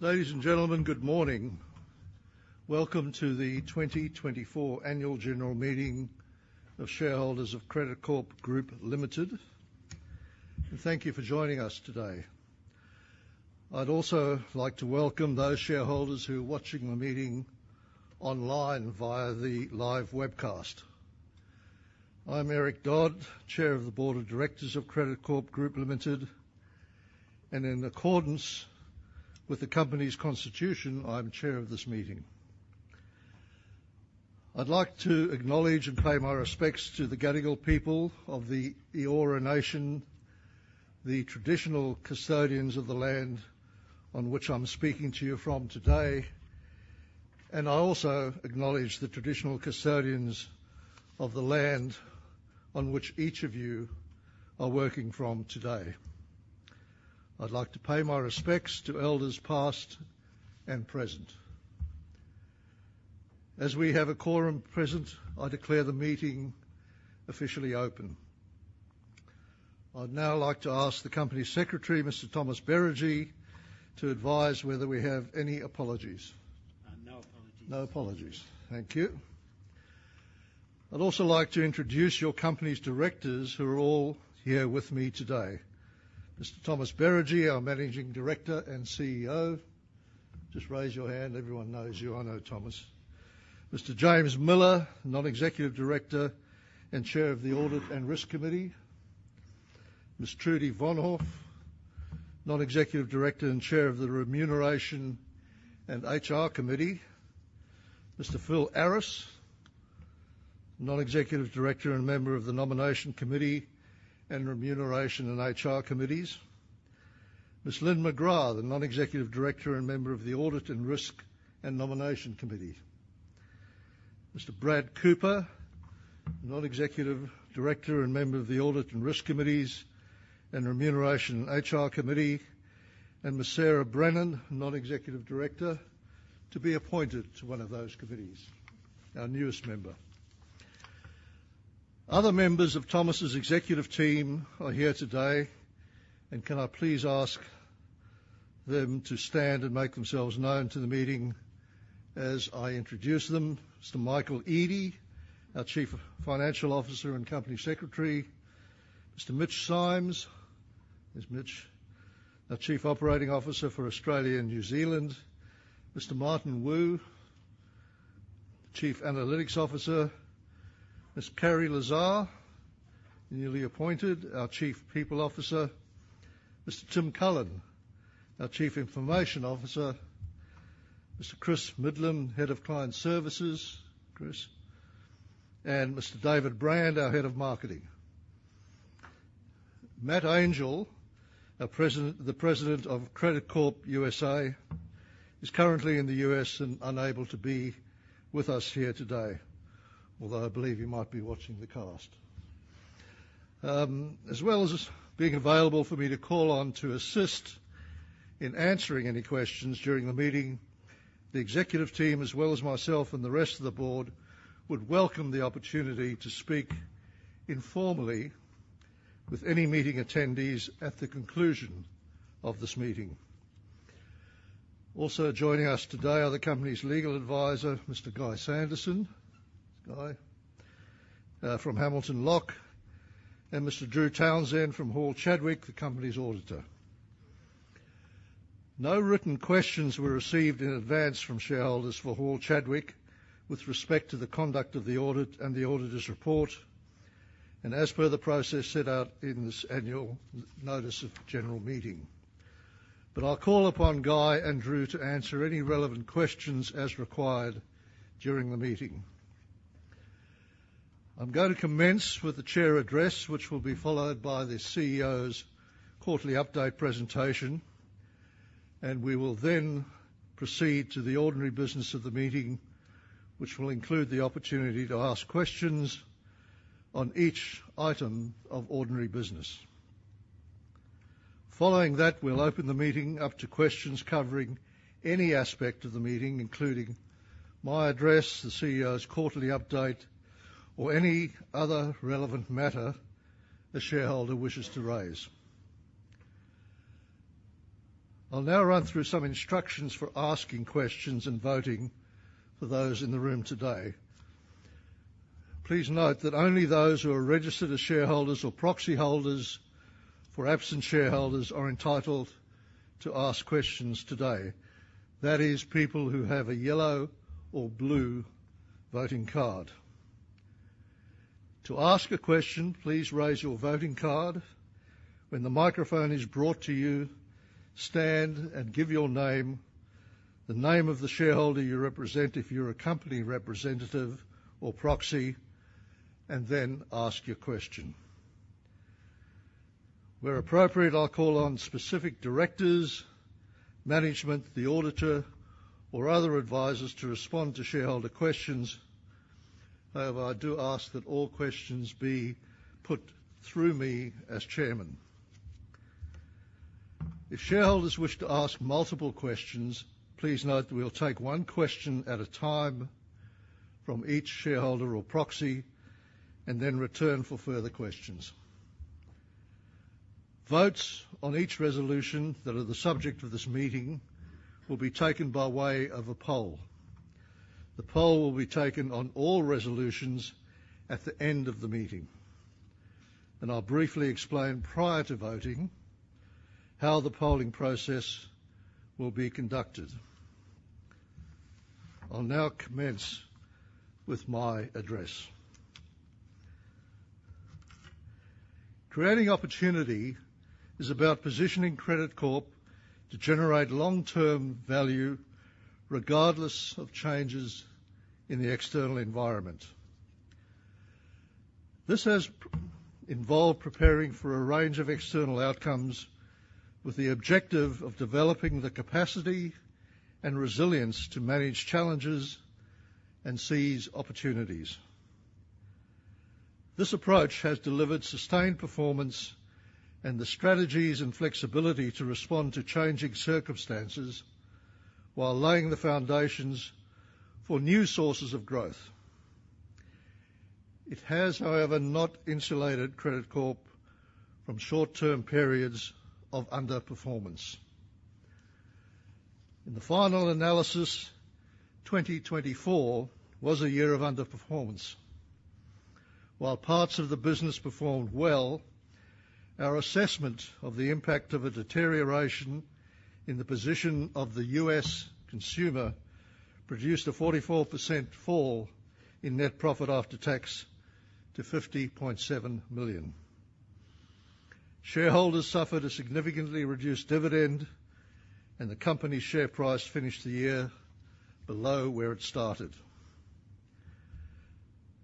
Ladies and gentlemen, good morning. Welcome to the twenty twenty-four Annual General Meeting of Shareholders of Credit Corp Group Limited, and thank you for joining us today. I'd also like to welcome those shareholders who are watching the meeting online via the live webcast. I'm Eric Dodd, Chair of the Board of Directors of Credit Corp Group Limited, and in accordance with the company's constitution, I'm Chair of this meeting. I'd like to acknowledge and pay my respects to the Gadigal people of the Eora Nation, the traditional custodians of the land on which I'm speaking to you from today, and I also acknowledge the traditional custodians of the land on which each of you are working from today. I'd like to pay my respects to elders past and present. As we have a quorum present, I declare the meeting officially open. I'd now like to ask the Company Secretary, Mr. Thomas Beregi, to advise whether we have any apologies. No apologies. No apologies. Thank you. I'd also like to introduce your company's directors, who are all here with me today. Mr. Thomas Beregi, our Managing Director and CEO. Just raise your hand, everyone knows you. I know Thomas. Mr. James Miller, Non-Executive Director and Chair of the Audit and Risk Committee. Ms. Trudy Vonhoff, Non-Executive Director and Chair of the Remuneration and HR Committee. Mr. Phil Aris, Non-Executive Director and member of the Nomination Committee and Remuneration and HR Committees. Ms. Lyn McGrath, the Non-Executive Director and member of the Audit and Risk and Nomination Committee. Mr. Brad Cooper, Non-Executive Director and member of the Audit and Risk Committees and Remuneration and HR Committee. And Ms. Sarah Brennan, Non-Executive Director, to be appointed to one of those committees, our newest member. Other members of Thomas's executive team are here today, and can I please ask them to stand and make themselves known to the meeting as I introduce them? Mr. Michael Eadie, our Chief Financial Officer and Company Secretary. Mr. Mitch Symes. There's Mitch, our Chief Operating Officer for Australia and New Zealand. Mr. Martin Wu, Chief Analytics Officer. Ms. Ceri Lazar, newly appointed, our Chief People Officer. Mr. Tim Cullen, our Chief Information Officer. Mr. Chris Millington, Head of Client Services. Chris? And Mr. David Brand, our Head of Marketing. Matt Angell, our President, the President of Credit Corp USA, is currently in the U.S. and unable to be with us here today, although I believe he might be watching the webcast. As well as being available for me to call on to assist in answering any questions during the meeting, the executive team, as well as myself and the rest of the board, would welcome the opportunity to speak informally with any meeting attendees at the conclusion of this meeting. Also joining us today are the company's legal advisor, Mr. Guy Sanderson. Guy, from Hamilton Locke and Mr. Drew Townsend from Hall Chadwick, the company's auditor. No written questions were received in advance from shareholders for Hall Chadwick with respect to the conduct of the audit and the Auditor's Report, and as per the process set out in this annual notice of general meeting, but I'll call upon Guy and Drew to answer any relevant questions as required during the meeting. I'm going to commence with the Chair's address, which will be followed by the CEO's quarterly update presentation, and we will then proceed to the ordinary business of the meeting, which will include the opportunity to ask questions on each item of ordinary business. Following that, we'll open the meeting up to questions covering any aspect of the meeting, including my address, the CEO's quarterly update, or any other relevant matter the shareholder wishes to raise. I'll now run through some instructions for asking questions and voting for those in the room today. Please note that only those who are registered as shareholders or proxy holders for absent shareholders are entitled to ask questions today. That is, people who have a yellow or blue voting card. To ask a question, please raise your voting card. When the microphone is brought to you, stand and give your name, the name of the shareholder you represent, if you're a company representative or proxy, and then ask your question. Where appropriate, I'll call on specific directors, management, the auditor, or other advisors to respond to shareholder questions. However, I do ask that all questions be put through me as Chairman. If shareholders wish to ask multiple questions, please note that we'll take one question at a time from each shareholder or proxy and then return for further questions. Votes on each resolution that are the subject of this meeting will be taken by way of a poll. The poll will be taken on all resolutions at the end of the meeting, and I'll briefly explain prior to voting how the polling process will be conducted. I'll now commence with my address. Creating opportunity is about positioning Credit Corp to generate long-term value, regardless of changes in the external environment. This has involved preparing for a range of external outcomes, with the objective of developing the capacity and resilience to manage challenges and seize opportunities. This approach has delivered sustained performance and the strategies and flexibility to respond to changing circumstances while laying the foundations for new sources of growth. It has, however, not insulated Credit Corp from short-term periods of underperformance. In the final analysis, twenty twenty-four was a year of underperformance. While parts of the business performed well, our assessment of the impact of a deterioration in the position of the U.S. consumer produced a 44% fall in net profit after tax to 50.7 million. Shareholders suffered a significantly reduced dividend, and the company's share price finished the year below where it started.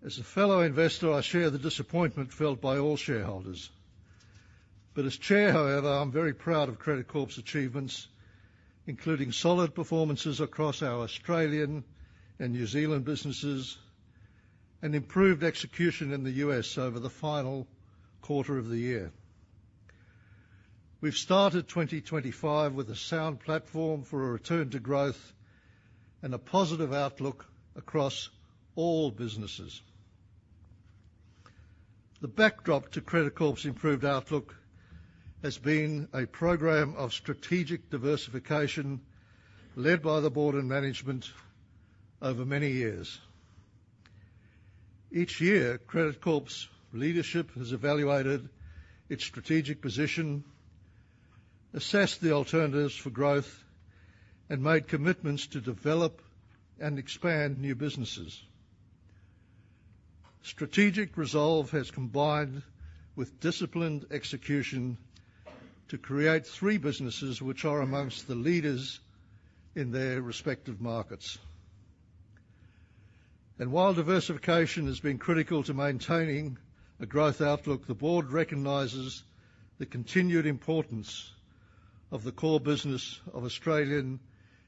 As a fellow investor, I share the disappointment felt by all shareholders. But as Chair, however, I'm very proud of Credit Corp's achievements, including solid performances across our Australian and New Zealand businesses and improved execution in the U.S. over the final quarter of the year. We've started twenty twenty-five with a sound platform for a return to growth and a positive outlook across all businesses. The backdrop to Credit Corp's improved outlook has been a program of strategic diversification, led by the board and management over many years. Each year, Credit Corp's leadership has evaluated its strategic position, assessed the alternatives for growth, and made commitments to develop and expand new businesses. Strategic resolve has combined with disciplined execution to create three businesses which are among the leaders in their respective markets. While diversification has been critical to maintaining a growth outlook, the board recognizes the continued importance of the core business of Australian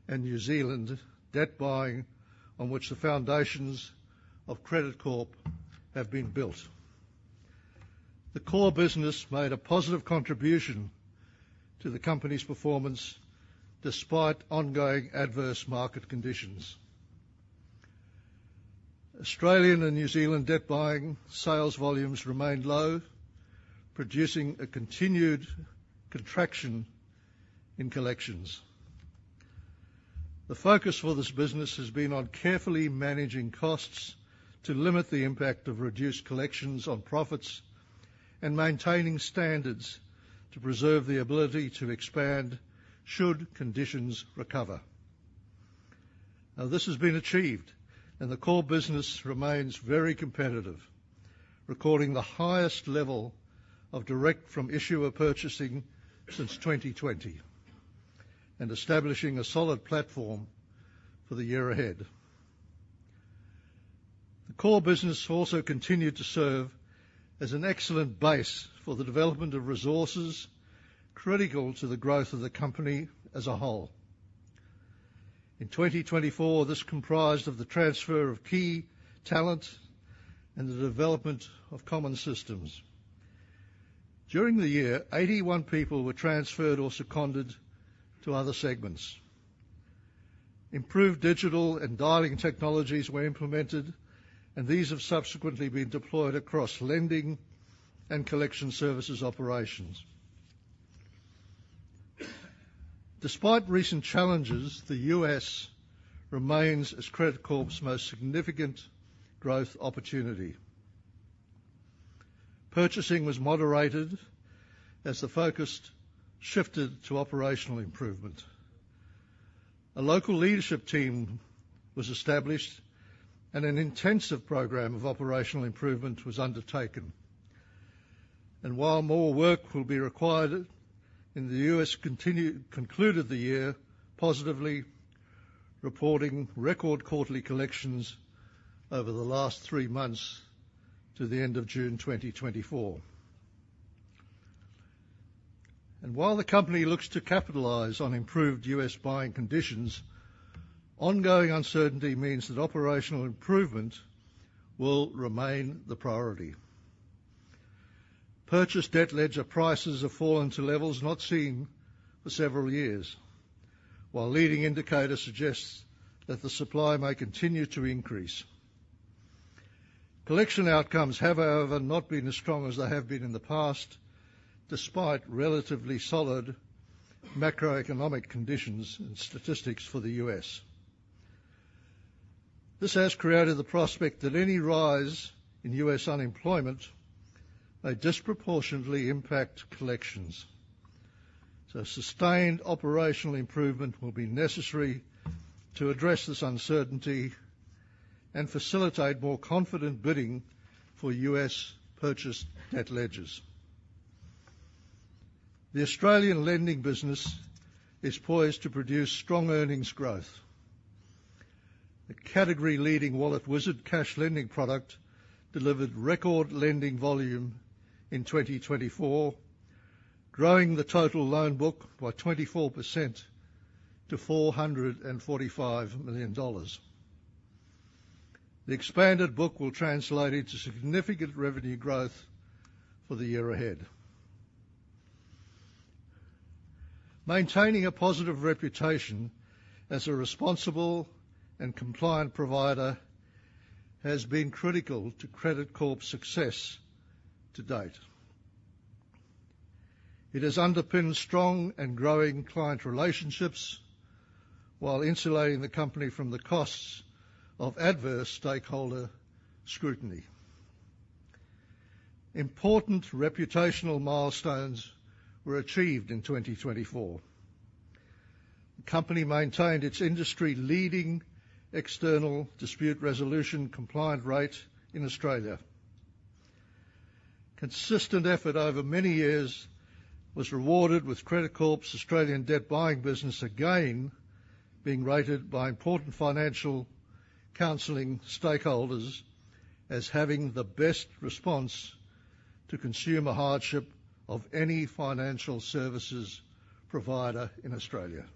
and New Zealand debt buying, on which the foundations of Credit Corp have been built. The core business made a positive contribution to the company's performance, despite ongoing adverse market conditions. Australian and New Zealand debt buying sales volumes remained low, producing a continued contraction in collections. The focus for this business has been on carefully managing costs to limit the impact of reduced collections on profits, and maintaining standards to preserve the ability to expand should conditions recover. Now, this has been achieved, and the core business remains very competitive, recording the highest level of direct-from-issuer purchasing since twenty twenty, and establishing a solid platform for the year ahead. The core business also continued to serve as an excellent base for the development of resources critical to the growth of the company as a whole. In 2024, this comprised of the transfer of key talent and the development of common systems. During the year, eighty-one people were transferred or seconded to other segments. Improved digital and dialing technologies were implemented, and these have subsequently been deployed across lending and collection services operations. Despite recent challenges, the U.S. remains as Credit Corp's most significant growth opportunity. Purchasing was moderated as the focus shifted to operational improvement. A local leadership team was established, and an intensive program of operational improvement was undertaken. While more work will be required, in the U.S. concluded the year positively, reporting record quarterly collections over the last three months to the end of June 2024. While the company looks to capitalize on improved U.S. buying conditions, ongoing uncertainty means that operational improvement will remain the priority. Purchased debt ledger prices have fallen to levels not seen for several years, while leading indicators suggest that the supply may continue to increase. Collection outcomes have, however, not been as strong as they have been in the past, despite relatively solid macroeconomic conditions and statistics for the U.S. This has created the prospect that any rise in U.S. unemployment may disproportionately impact collections, so sustained operational improvement will be necessary to address this uncertainty and facilitate more confident bidding for U.S. purchased debt ledgers. The Australian lending business is poised to produce strong earnings growth. The category-leading Wallet Wizard cash lending product delivered record lending volume in twenty twenty-four, growing the total loan book by 24% to 445 million dollars. The expanded book will translate into significant revenue growth for the year ahead. Maintaining a positive reputation as a responsible and compliant provider has been critical to Credit Corp's success to date. It has underpinned strong and growing client relationships, while insulating the company from the costs of adverse stakeholder scrutiny. Important reputational milestones were achieved in twenty twenty-four. The company maintained its industry-leading external dispute resolution compliance rate in Australia. Consistent effort over many years was rewarded with Credit Corp's Australian debt buying business again being rated by important financial counseling stakeholders as having the best response to consumer hardship of any financial services provider in Australia.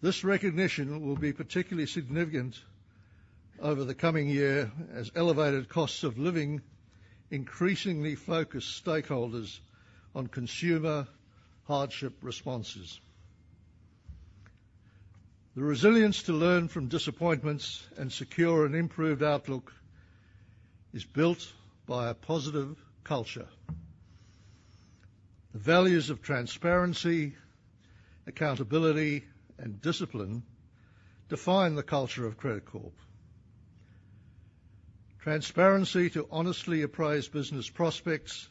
This recognition will be particularly significant over the coming year as elevated costs of living increasingly focus stakeholders on consumer hardship responses. The resilience to learn from disappointments and secure an improved outlook is built by a positive culture. The values of transparency, accountability, and discipline define the culture of Credit Corp. Transparency to honestly appraise business prospects,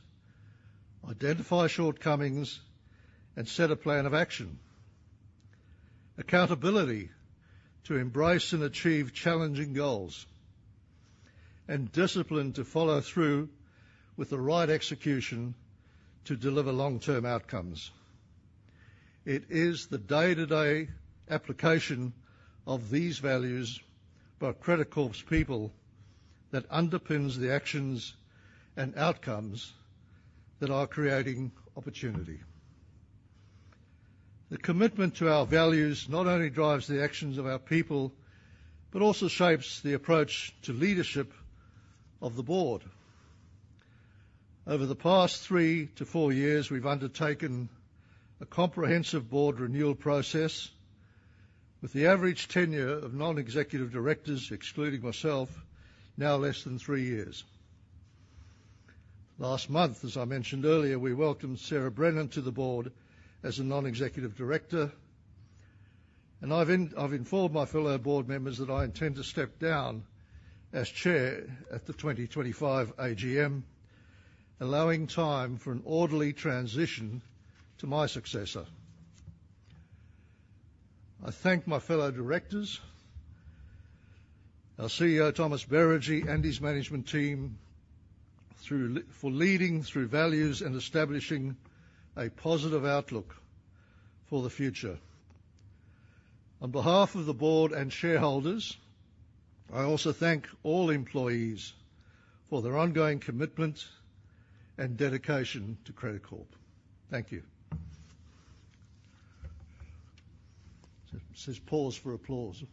identify shortcomings, and set a plan of action. Accountability to embrace and achieve challenging goals, and discipline to follow through with the right execution to deliver long-term outcomes. It is the day-to-day application of these values by Credit Corp's people that underpins the actions and outcomes that are creating opportunity. The commitment to our values not only drives the actions of our people, but also shapes the approach to leadership of the board. Over the past three to four years, we've undertaken a comprehensive board renewal process, with the average tenure of non-executive directors, excluding myself, now less than three years. Last month, as I mentioned earlier, we welcomed Sarah Brennan to the board as a non-executive director, and I've informed my fellow board members that I intend to step down as chair at the twenty twenty-five AGM, allowing time for an orderly transition to my successor. I thank my fellow directors, our CEO, Thomas Beregi, and his management team for leading through values and establishing a positive outlook for the future. On behalf of the board and shareholders, I also thank all employees for their ongoing commitment and dedication to Credit Corp. Thank you. It says pause for applause.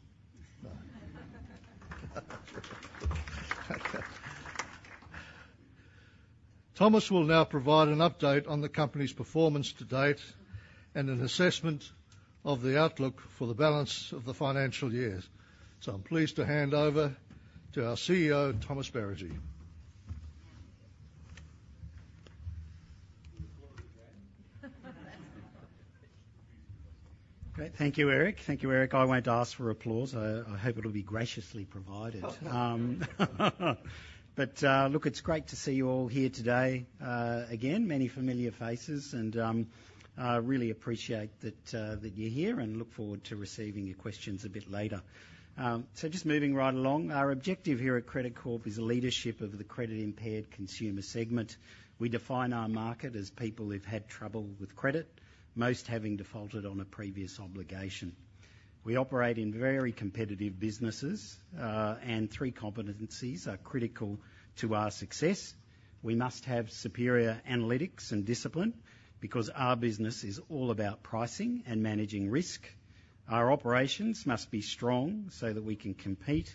Thomas will now provide an update on the company's performance to date and an assessment of the outlook for the balance of the financial year. I'm pleased to hand over to our CEO, Thomas Beregi. Great. Thank you, Eric. Thank you, Eric. I won't ask for applause. I hope it'll be graciously provided. But, look, it's great to see you all here today, again. Many familiar faces, and I really appreciate that you're here and look forward to receiving your questions a bit later. So just moving right along, our objective here at Credit Corp is the leadership of the credit-impaired consumer segment. We define our market as people who've had trouble with credit, most having defaulted on a previous obligation. We operate in very competitive businesses, and three competencies are critical to our success. We must have superior analytics and discipline, because our business is all about pricing and managing risk. Our operations must be strong so that we can compete,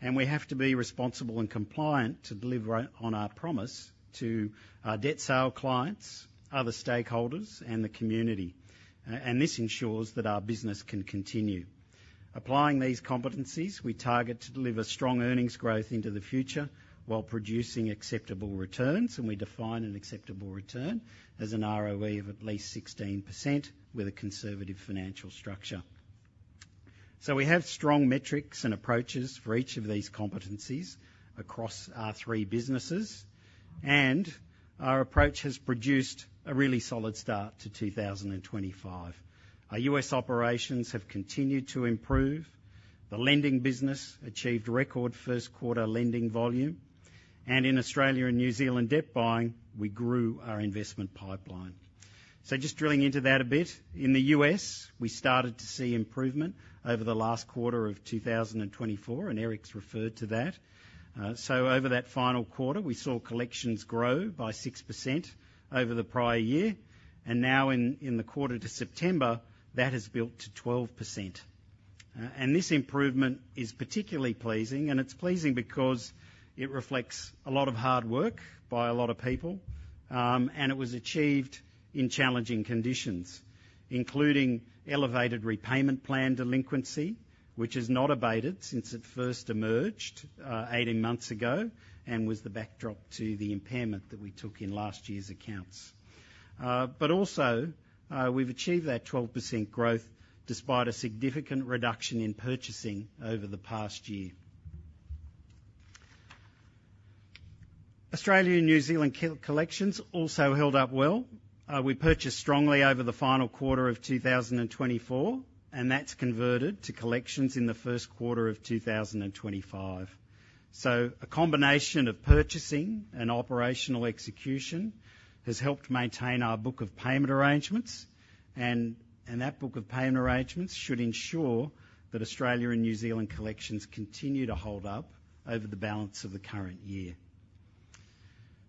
and we have to be responsible and compliant to deliver on our promise to our debt sale clients, other stakeholders, and the community, and this ensures that our business can continue. Applying these competencies, we target to deliver strong earnings growth into the future while producing acceptable returns, and we define an acceptable return as an ROE of at least 16% with a conservative financial structure, so we have strong metrics and approaches for each of these competencies across our three businesses, and our approach has produced a really solid start to two thousand and twenty-five. Our U.S. operations have continued to improve, the lending business achieved record first quarter lending volume, and in Australia and New Zealand debt buying, we grew our investment pipeline. So just drilling into that a bit, in the U.S., we started to see improvement over the last quarter of two thousand and twenty-four, and Eric's referred to that. So over that final quarter, we saw collections grow by 6% over the prior year, and now in the quarter to September, that has built to 12%. And this improvement is particularly pleasing, and it's pleasing because it reflects a lot of hard work by a lot of people, and it was achieved in challenging conditions, including elevated repayment plan delinquency, which has not abated since it first emerged 18 months ago, and was the backdrop to the impairment that we took in last year's accounts. But also, we've achieved that 12% growth despite a significant reduction in purchasing over the past year. Australia and New Zealand collections also held up well. We purchased strongly over the final quarter of two thousand and twenty-four, and that's converted to collections in the first quarter of two thousand and twenty-five. A combination of purchasing and operational execution has helped maintain our book of payment arrangements, and that book of payment arrangements should ensure that Australia and New Zealand collections continue to hold up over the balance of the current year.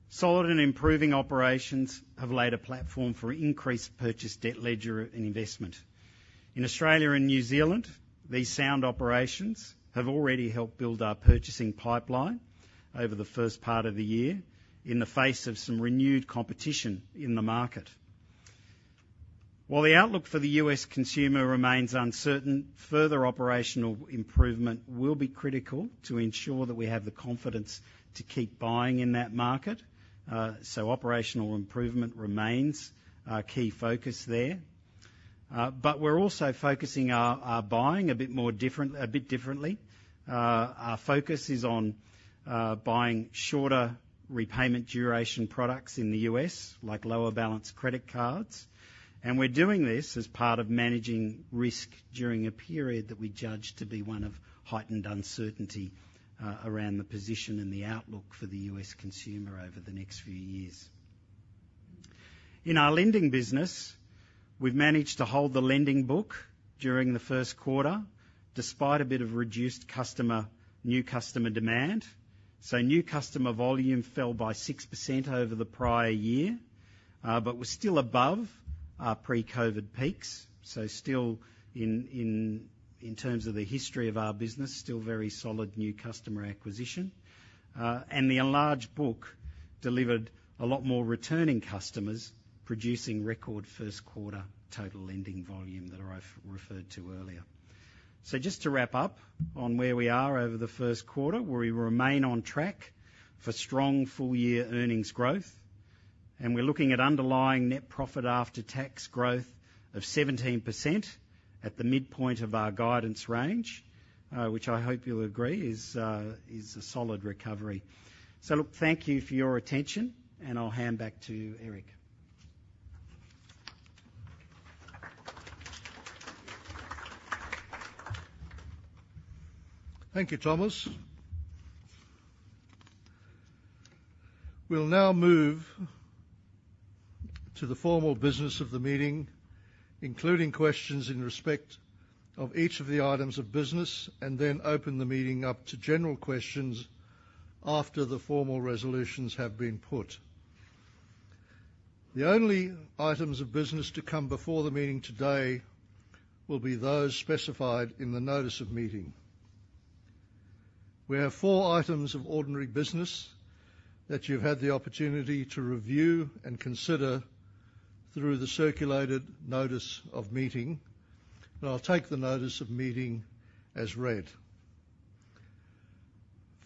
Solid and improving operations have laid a platform for increased purchased debt ledger and investment. In Australia and New Zealand, these sound operations have already helped build our purchasing pipeline over the first part of the year in the face of some renewed competition in the market. While the outlook for the U.S. consumer remains uncertain, further operational improvement will be critical to ensure that we have the confidence to keep buying in that market. So operational improvement remains our key focus there. But we're also focusing our buying a bit more different, a bit differently. Our focus is on buying shorter repayment duration products in the U.S., like lower balance credit cards, and we're doing this as part of managing risk during a period that we judge to be one of heightened uncertainty around the position and the outlook for the U.S. consumer over the next few years. In our lending business, we've managed to hold the lending book during the first quarter, despite a bit of reduced customer, new customer demand. So new customer volume fell by 6% over the prior year, but was still above our pre-COVID peaks, so still in terms of the history of our business, still very solid new customer acquisition. And the enlarged book delivered a lot more returning customers, producing record first quarter total lending volume that I've referred to earlier. So just to wrap up on where we are over the first quarter, we remain on track for strong full year earnings growth, and we're looking at underlying net profit after tax growth of 17% at the midpoint of our guidance range, which I hope you'll agree is a solid recovery. So look, thank you for your attention, and I'll hand back to Eric. Thank you, Thomas. We'll now move to the formal business of the meeting, including questions in respect of each of the items of business, and then open the meeting up to general questions after the formal resolutions have been put. The only items of business to come before the meeting today will be those specified in the notice of meeting. We have four items of ordinary business that you've had the opportunity to review and consider through the circulated notice of meeting, and I'll take the notice of meeting as read.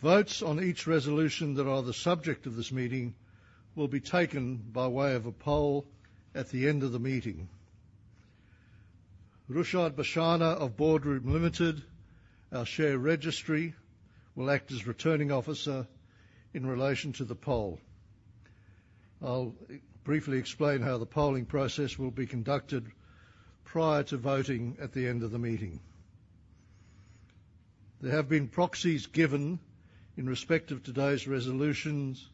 Votes on each resolution that are the subject of this meeting will be taken by way of a poll at the end of the meeting. Rushad Bhesania of Boardroom Limited, our share registry, will act as Returning Officer in relation to the poll. I'll briefly explain how the polling process will be conducted prior to voting at the end of the meeting. There have been proxies given in respect of today's resolutions,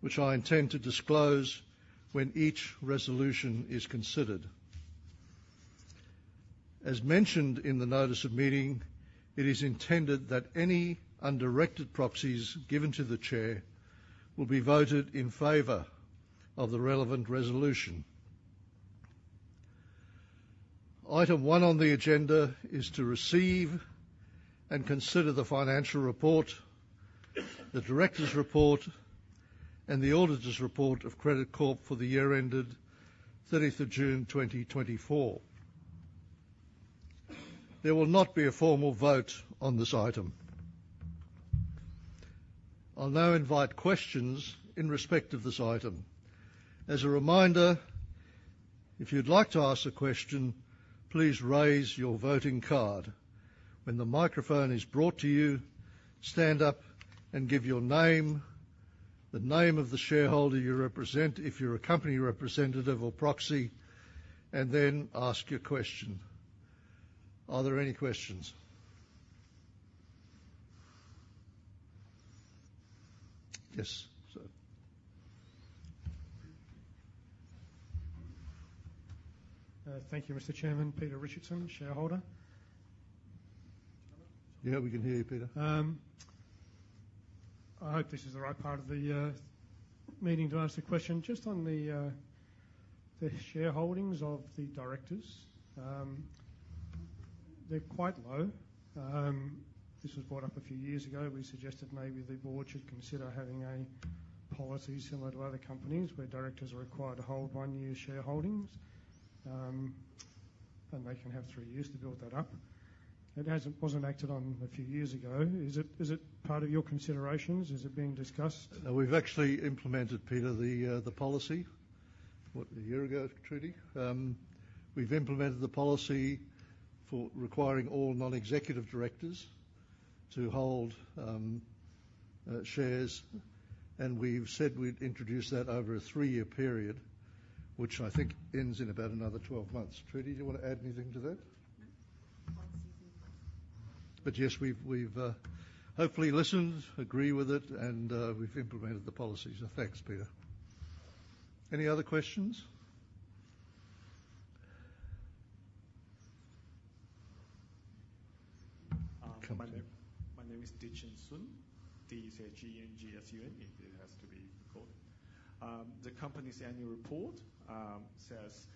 which I intend to disclose when each resolution is considered. As mentioned in the notice of meeting, it is intended that any undirected proxies given to the Chair will be voted in favor of the relevant resolution. Item one on the agenda is to receive and consider the Financial Report, the Directors' Report, and the Auditor's Report of Credit Corp for the year ended thirtieth of June, twenty twenty-four. There will not be a formal vote on this item. I'll now invite questions in respect of this item. As a reminder, if you'd like to ask a question, please raise your voting card. When the microphone is brought to you, stand up and give your name, the name of the shareholder you represent, if you're a company representative or proxy, and then ask your question. Are there any questions? Yes, sir. Thank you, Mr. Chairman. Peter Richardson, shareholder. Yeah, we can hear you, Peter. I hope this is the right part of the meeting to ask the question. Just on the shareholdings of the directors. They're quite low. This was brought up a few years ago. We suggested maybe the board should consider having a policy similar to other companies, where directors are required to hold one-year shareholdings. And they can have three years to build that up. It hasn't, wasn't acted on a few years ago. Is it part of your considerations? Is it being discussed? We've actually implemented, Peter, the policy a year ago, Trudy? We've implemented the policy for requiring all non-executive directors to hold shares, and we've said we'd introduce that over a three-year period, which I think ends in about another 12 months. Trudy, do you want to add anything to that? Once a year. But yes, we've hopefully listened, agree with it, and we've implemented the policies. So thanks, Peter. Any other questions? My name is Dengen Sun. D-E-N-G-E-N S-U-N, if it has to be called. The company's annual report says,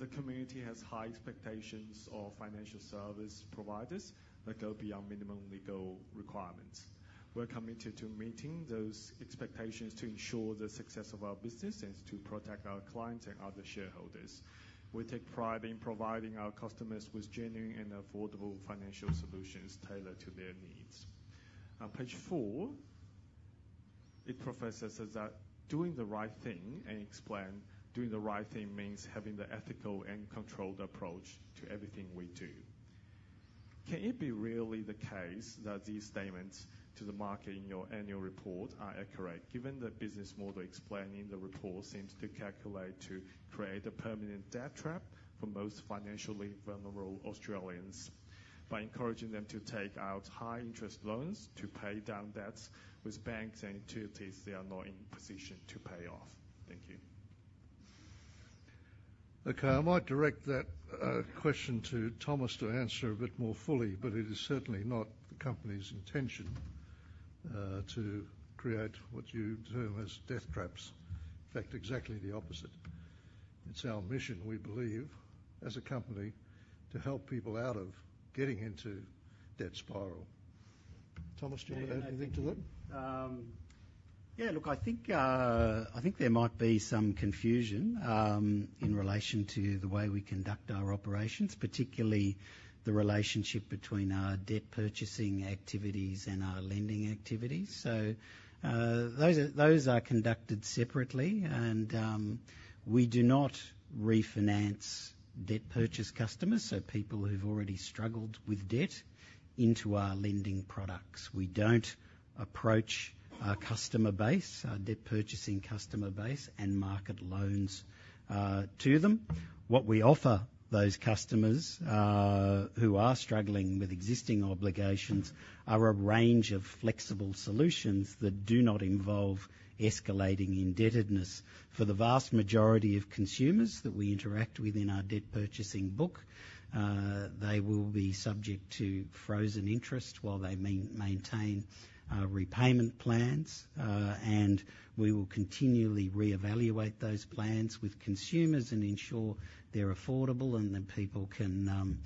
"The community has high expectations of financial service providers that go beyond minimum legal requirements. We're committed to meeting those expectations to ensure the success of our business and to protect our clients and other shareholders. We take pride in providing our customers with genuine and affordable financial solutions tailored to their needs." On page four, it professes that doing the right thing means having the ethical and controlled approach to everything we do. Can it be really the case that these statements to the market in your annual report are accurate, given the business model explained in the report seems to calculate to create a permanent debt trap for most financially vulnerable Australians, by encouraging them to take out high-interest loans to pay down debts with banks and utilities they are not in position to pay off? Thank you. Okay, I might direct that question to Thomas to answer a bit more fully, but it is certainly not the company's intention to create what you term as death traps. In fact, exactly the opposite. It's our mission, we believe, as a company, to help people out of getting into debt spiral. Thomas, do you want to add anything to that? Yeah, look, I think, I think there might be some confusion, in relation to the way we conduct our operations, particularly the relationship between our debt purchasing activities and our lending activities. So, those are conducted separately, and, we do not refinance debt purchase customers, so people who've already struggled with debt, into our lending products. We don't approach our customer base, our debt purchasing customer base, and market loans, to them. What we offer those customers, who are struggling with existing obligations, are a range of flexible solutions that do not involve escalating indebtedness. For the vast majority of consumers that we interact with in our debt purchasing book, they will be subject to frozen interest while they maintain repayment plans. And we will continually reevaluate those plans with consumers and ensure they're affordable and that people can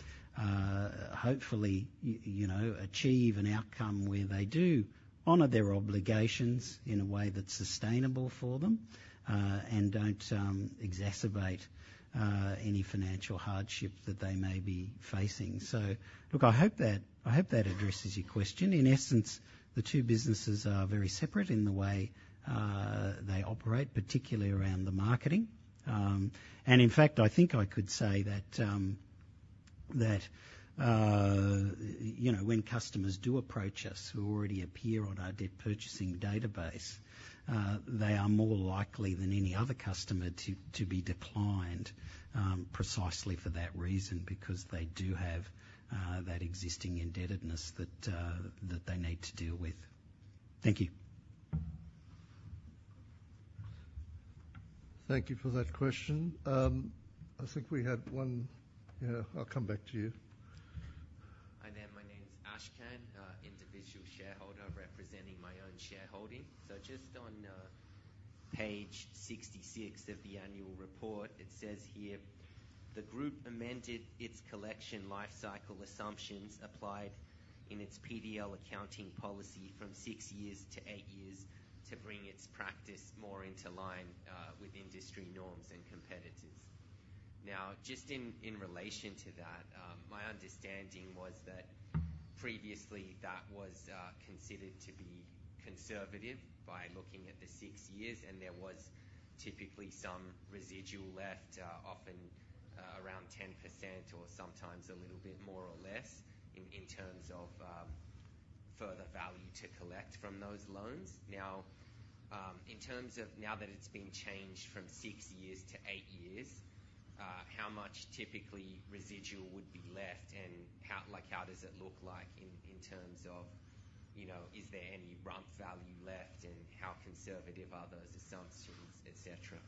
hopefully, you know, achieve an outcome where they do honor their obligations in a way that's sustainable for them and don't exacerbate any financial hardship that they may be facing. So look, I hope that addresses your question. In essence, the two businesses are very separate in the way they operate, particularly around the marketing. And in fact, I think I could say that you know, when customers do approach us who already appear on our debt purchasing database, they are more likely than any other customer to be declined precisely for that reason. Because they do have that existing indebtedness that they need to deal with. Thank you. Thank you for that question. I think we had one... Yeah, I'll come back to you. Hi there, my name is Ashkan individual shareholder representing my own shareholding. So just on page 66 of the annual report, it says here, "The group amended its collection life cycle assumptions applied in its PDL accounting policy from six years to eight years to bring its practice more into line with industry norms and competitors." Now, just in relation to that, my understanding was that previously that was considered to be conservative by looking at the six years, and there was typically some residual left, often around 10% or sometimes a little bit more or less, in terms of further value to collect from those loans. Now, in terms of now that it's been changed from six years to eight years, how much typically residual would be left? How like, how does it look like in terms of, you know, is there any rump value left, and how conservative are those assumptions, et cetera?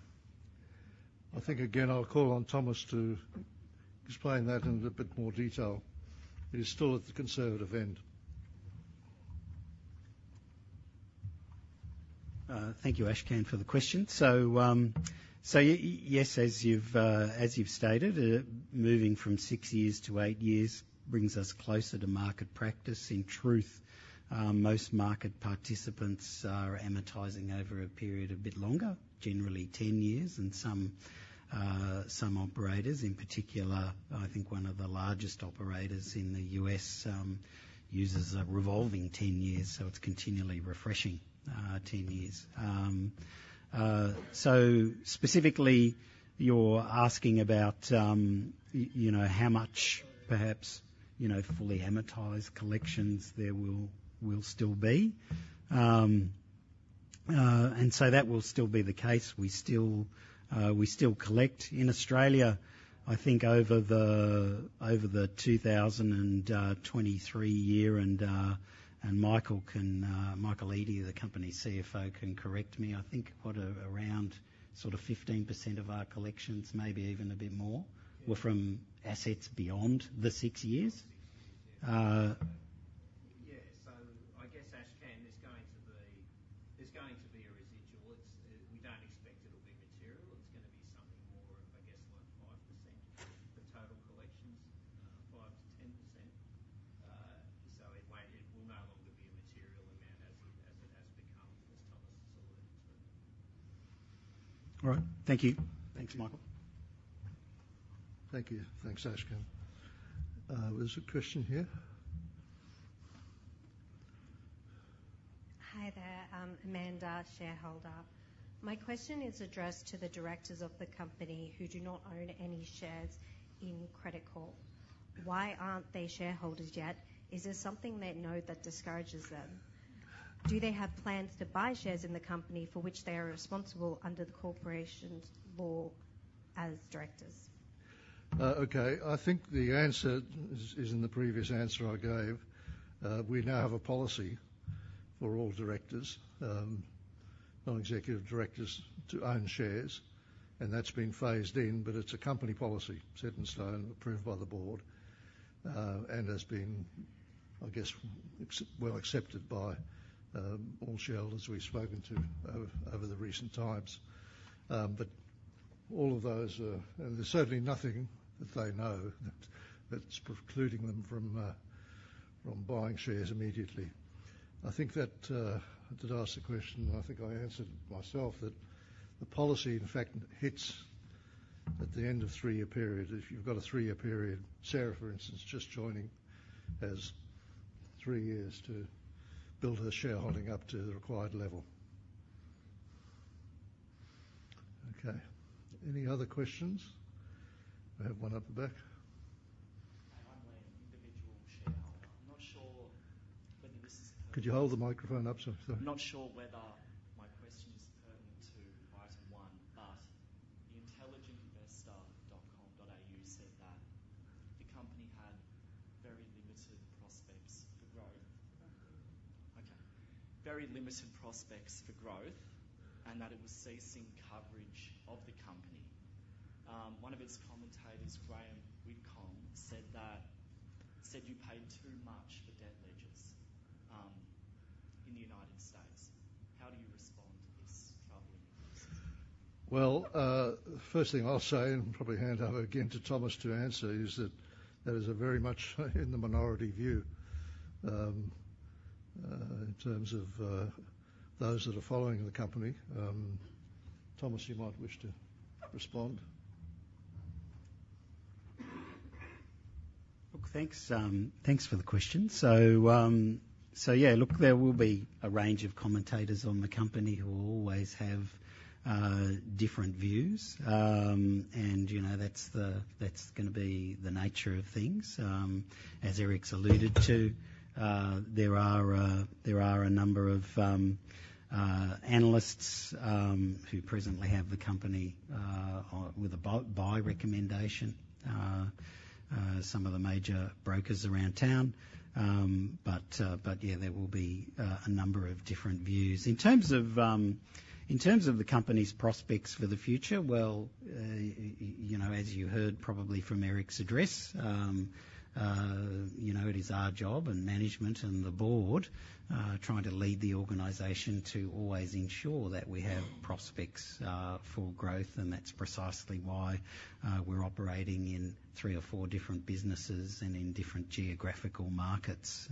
I think, again, I'll call on Thomas to explain that in a bit more detail. It is still at the conservative end. Thank you, Ashkan, for the question. So yes, as you've stated, moving from six years to eight years brings us closer to market practice. In truth, most market participants are amortizing over a period of a bit longer, generally ten years, and some operators in particular, I think one of the largest operators in the U.S., uses a revolving ten years, so it's continually refreshing ten years. So specifically, you're asking about, you know, how much perhaps, you know, fully amortized collections there will still be. And so that will still be the case. We still collect in Australia, I think, over the two thousand and twenty-three year. Michael Eadie, the company's CFO, can correct me. I think around sort of 15% of our collections, maybe even a bit more, were from assets beyond the six years. Yeah. So I guess, Ashkan, there's going to be, there's going to be a residual. It's, we don't expect it'll be material. It's gonna be something more, I guess, like 5% the total collections, 5%-10%. So it won't, it will no longer be a material amount as it, as it has become, as Thomas alluded to. All right. Thank you. Thanks, Michael. Thank you. Thanks, Ashkan. Was a Christian here? Hi, there. I'm Amanda, shareholder. My question is addressed to the directors of the company who do not own any shares in Credit Corp. Why aren't they shareholders yet? Is there something they know that discourages them? Do they have plans to buy shares in the company for which they are responsible under the Corporations Law as directors? Okay. I think the answer is in the previous answer I gave. We now have a policy for all directors, non-executive directors to own shares, and that's been phased in, but it's a company policy set in stone, approved by the board, and has been, I guess, well accepted by all shareholders we've spoken to over the recent times. But all of those, there's certainly nothing that they know that's precluding them from buying shares immediately. I think that asked the question, I think I answered it myself, that the policy, in fact, hits at the end of three-year period. If you've got a three-year period, Sarah, for instance, just joining, has three years to build her shareholding up to the required level. Okay. Any other questions? I have one at the back. My name is individual shareholder. I'm not sure whether this is- Could you hold the microphone up? Sorry. I'm not sure whether my question is pertinent to item one, but the IntelligentInvestor.com.au said that the company had very limited prospects for growth. Okay. Very limited prospects for growth, and that it was ceasing coverage of the company. One of its commentators, Graham Witcomb, said that you paid too much for debt ledgers in the United States. How do you respond to this troubling news? Well, first thing I'll say, and probably hand over again to Thomas to answer, is that there is a very much in the minority view, in terms of, those that are following the company. Thomas, you might wish to respond. Look, thanks, thanks for the question. So, yeah, look, there will be a range of commentators on the company who will always have different views. And, you know, that's gonna be the nature of things. As Eric's alluded to, there are a number of analysts who presently have the company on with a buy recommendation, some of the major brokers around town. But yeah, there will be a number of different views. In terms of the company's prospects for the future, well, you know, as you heard probably from Eric's address, you know, it is our job and management and the board trying to lead the organization to always ensure that we have prospects for growth, and that's precisely why we're operating in three or four different businesses and in different geographical markets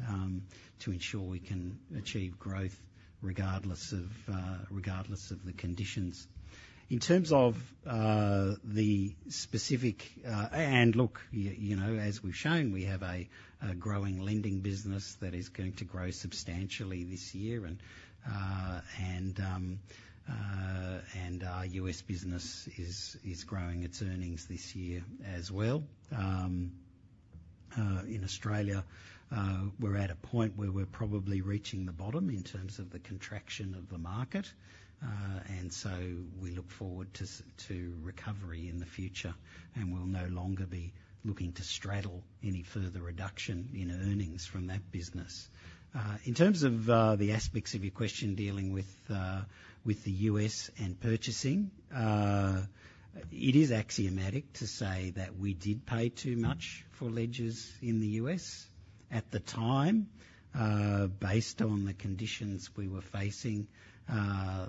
to ensure we can achieve growth regardless of the conditions. In terms of the specific... And look, you know, as we've shown, we have a growing lending business that is going to grow substantially this year, and our US business is growing its earnings this year as well. In Australia, we're at a point where we're probably reaching the bottom in terms of the contraction of the market, and so we look forward to recovery in the future, and we'll no longer be looking to straddle any further reduction in earnings from that business. In terms of the aspects of your question, dealing with the U.S. and purchasing, it is axiomatic to say that we did pay too much for ledgers in the U.S. At the time, based on the conditions we were facing,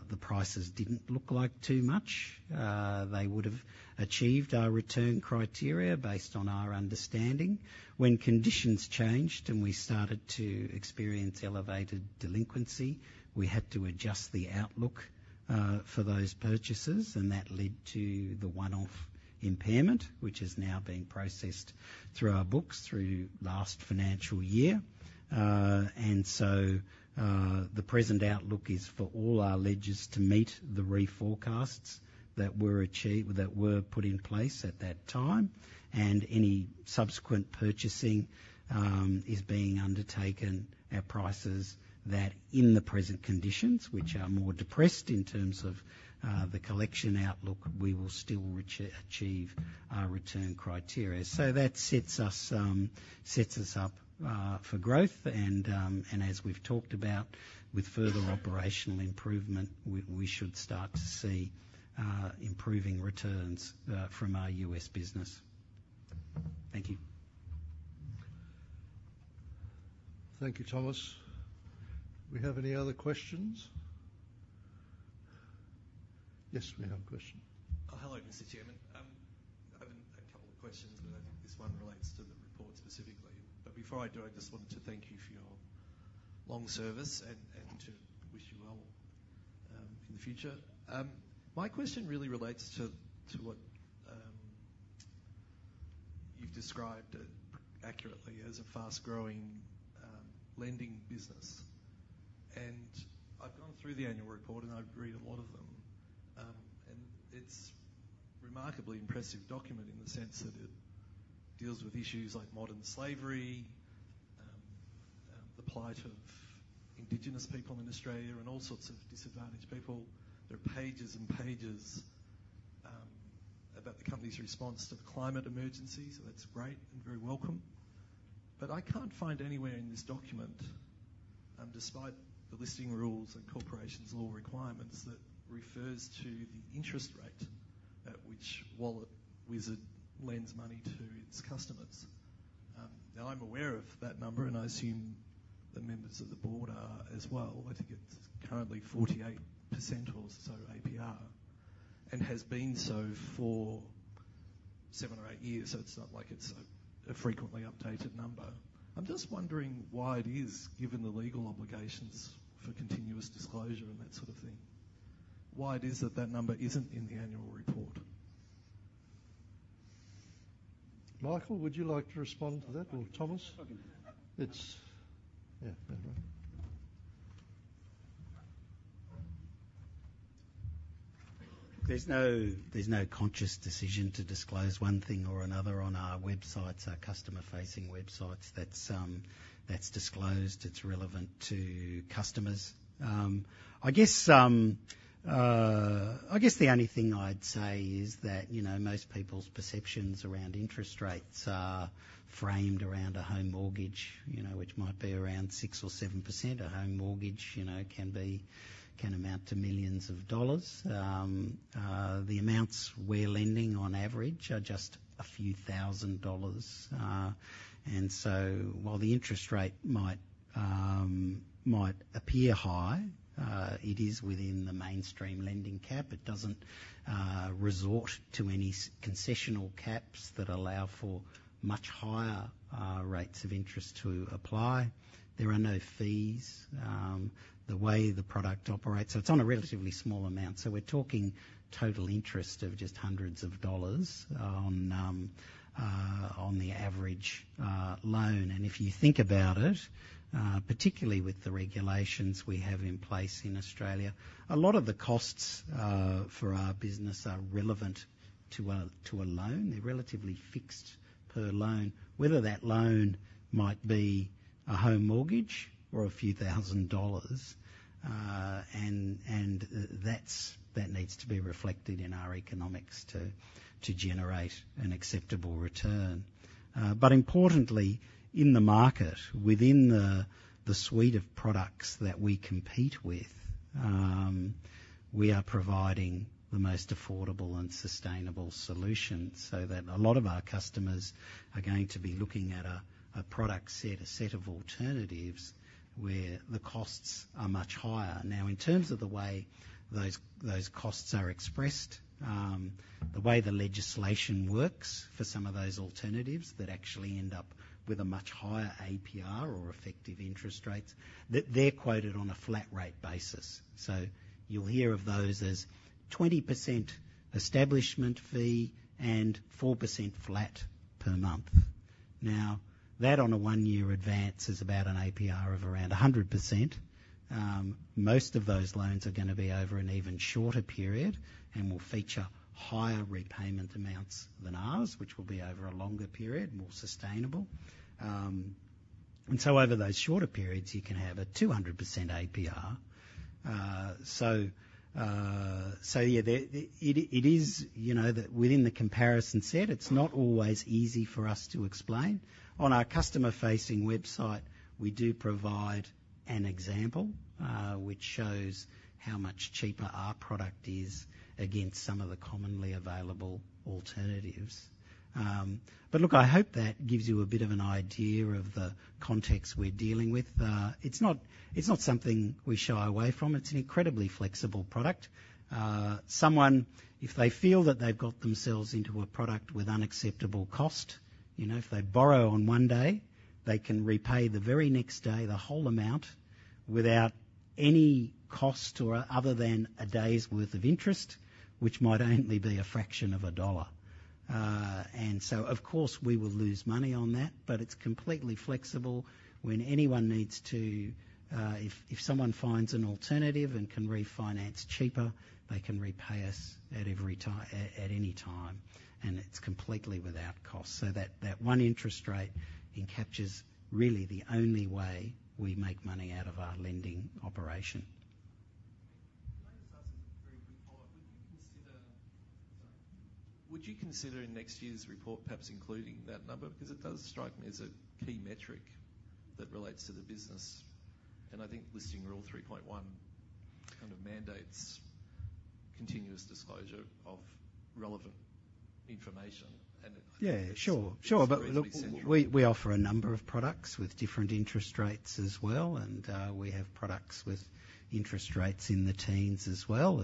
the prices didn't look like too much. They would have achieved our return criteria based on our understanding. When conditions changed and we started to experience elevated delinquency, we had to adjust the outlook for those purchases, and that led to the one-off impairment, which is now being processed through our books through last financial year. The present outlook is for all our ledgers to meet the reforecasts that were achieved, that were put in place at that time, and any subsequent purchasing is being undertaken at prices that, in the present conditions, which are more depressed in terms of the collection outlook, we will still achieve our return criteria. That sets us up for growth. As we've talked about, with further operational improvement, we should start to see improving returns from our U.S. business. Thank you. Thank you, Thomas. Do we have any other questions? Yes, we have a question. Hello, Mr. Chairman. I have a couple of questions, but I think this one relates to the report specifically. But before I do, I just wanted to thank you for your long service and to wish you well in the future. My question really relates to what you've described it accurately as a fast-growing lending business. And I've gone through the annual report, and I've read a lot of them. And it's remarkably impressive document in the sense that it deals with issues like modern slavery, the plight of Indigenous people in Australia, and all sorts of disadvantaged people. There are pages and pages about the company's response to the climate emergency, so that's great and very welcome. But I can't find anywhere in this document, despite the Listing Rules and Corporations Law requirements, that refers to the interest rate at which Wallet Wizard lends money to its customers. Now, I'm aware of that number, and I assume the members of the board are as well. I think it's currently 48% or so APR, and has been so for seven or eight years, so it's not like it's a, a frequently updated number. I'm just wondering why it is, given the legal obligations for continuous disclosure and that sort of thing, why it is that that number isn't in the annual report? Michael, would you like to respond to that or Thomas? Yeah, go ahead. There's no conscious decision to disclose one thing or another on our websites, our customer-facing websites. That's disclosed, it's relevant to customers. I guess the only thing I'd say is that, you know, most people's perceptions around interest rates are framed around a home mortgage, you know, which might be around 6% or 7%. A home mortgage, you know, can amount to millions of dollars. The amounts we're lending on average are just a few thousand dollars, and so while the interest rate might appear high, it is within the mainstream lending cap. It doesn't resort to any concessional caps that allow for much higher rates of interest to apply. There are no fees, the way the product operates. So it's on a relatively small amount, so we're talking total interest of just hundreds of dollars on the average loan. And if you think about it, particularly with the regulations we have in place in Australia, a lot of the costs for our business are relevant to a loan. They're relatively fixed per loan, whether that loan might be a home mortgage or a few thousand dollars. And that's, that needs to be reflected in our economics to generate an acceptable return. But importantly, in the market, within the suite of products that we compete with, we are providing the most affordable and sustainable solution, so that a lot of our customers are going to be looking at a product set, a set of alternatives where the costs are much higher. Now, in terms of the way those costs are expressed, the way the legislation works for some of those alternatives that actually end up with a much higher APR or effective interest rates, they're quoted on a flat rate basis. So you'll hear of those as 20% establishment fee and 4% flat per month. Now, that on a one-year advance is about an APR of around 100%. Most of those loans are gonna be over an even shorter period and will feature higher repayment amounts than ours, which will be over a longer period, more sustainable. And so over those shorter periods, you can have a 200% APR. So yeah, it is, you know, that within the comparison set, it's not always easy for us to explain. On our customer-facing website, we do provide an example, which shows how much cheaper our product is against some of the commonly available alternatives. But look, I hope that gives you a bit of an idea of the context we're dealing with. It's not something we shy away from. It's an incredibly flexible product. Someone, if they feel that they've got themselves into a product with unacceptable cost, you know, if they borrow on one day, they can repay the very next day, the whole amount, without any cost other than a day's worth of interest, which might only be a fraction of a dollar. And so, of course, we will lose money on that, but it's completely flexible when anyone needs to. If someone finds an alternative and can refinance cheaper, they can repay us at any time, and it's completely without cost. So that one interest rate encapsulates really the only way we make money out of our lending operation. Can I just ask a very quick follow-up? Would you consider in next year's report, perhaps including that number? Because it does strike me as a key metric that relates to the business, and I think Listing Rule 3.1 kind of mandates continuous disclosure of relevant information, and Yeah, sure. Sure, but look- It's reasonably significant. We offer a number of products with different interest rates as well, and we have products with interest rates in the teens as well.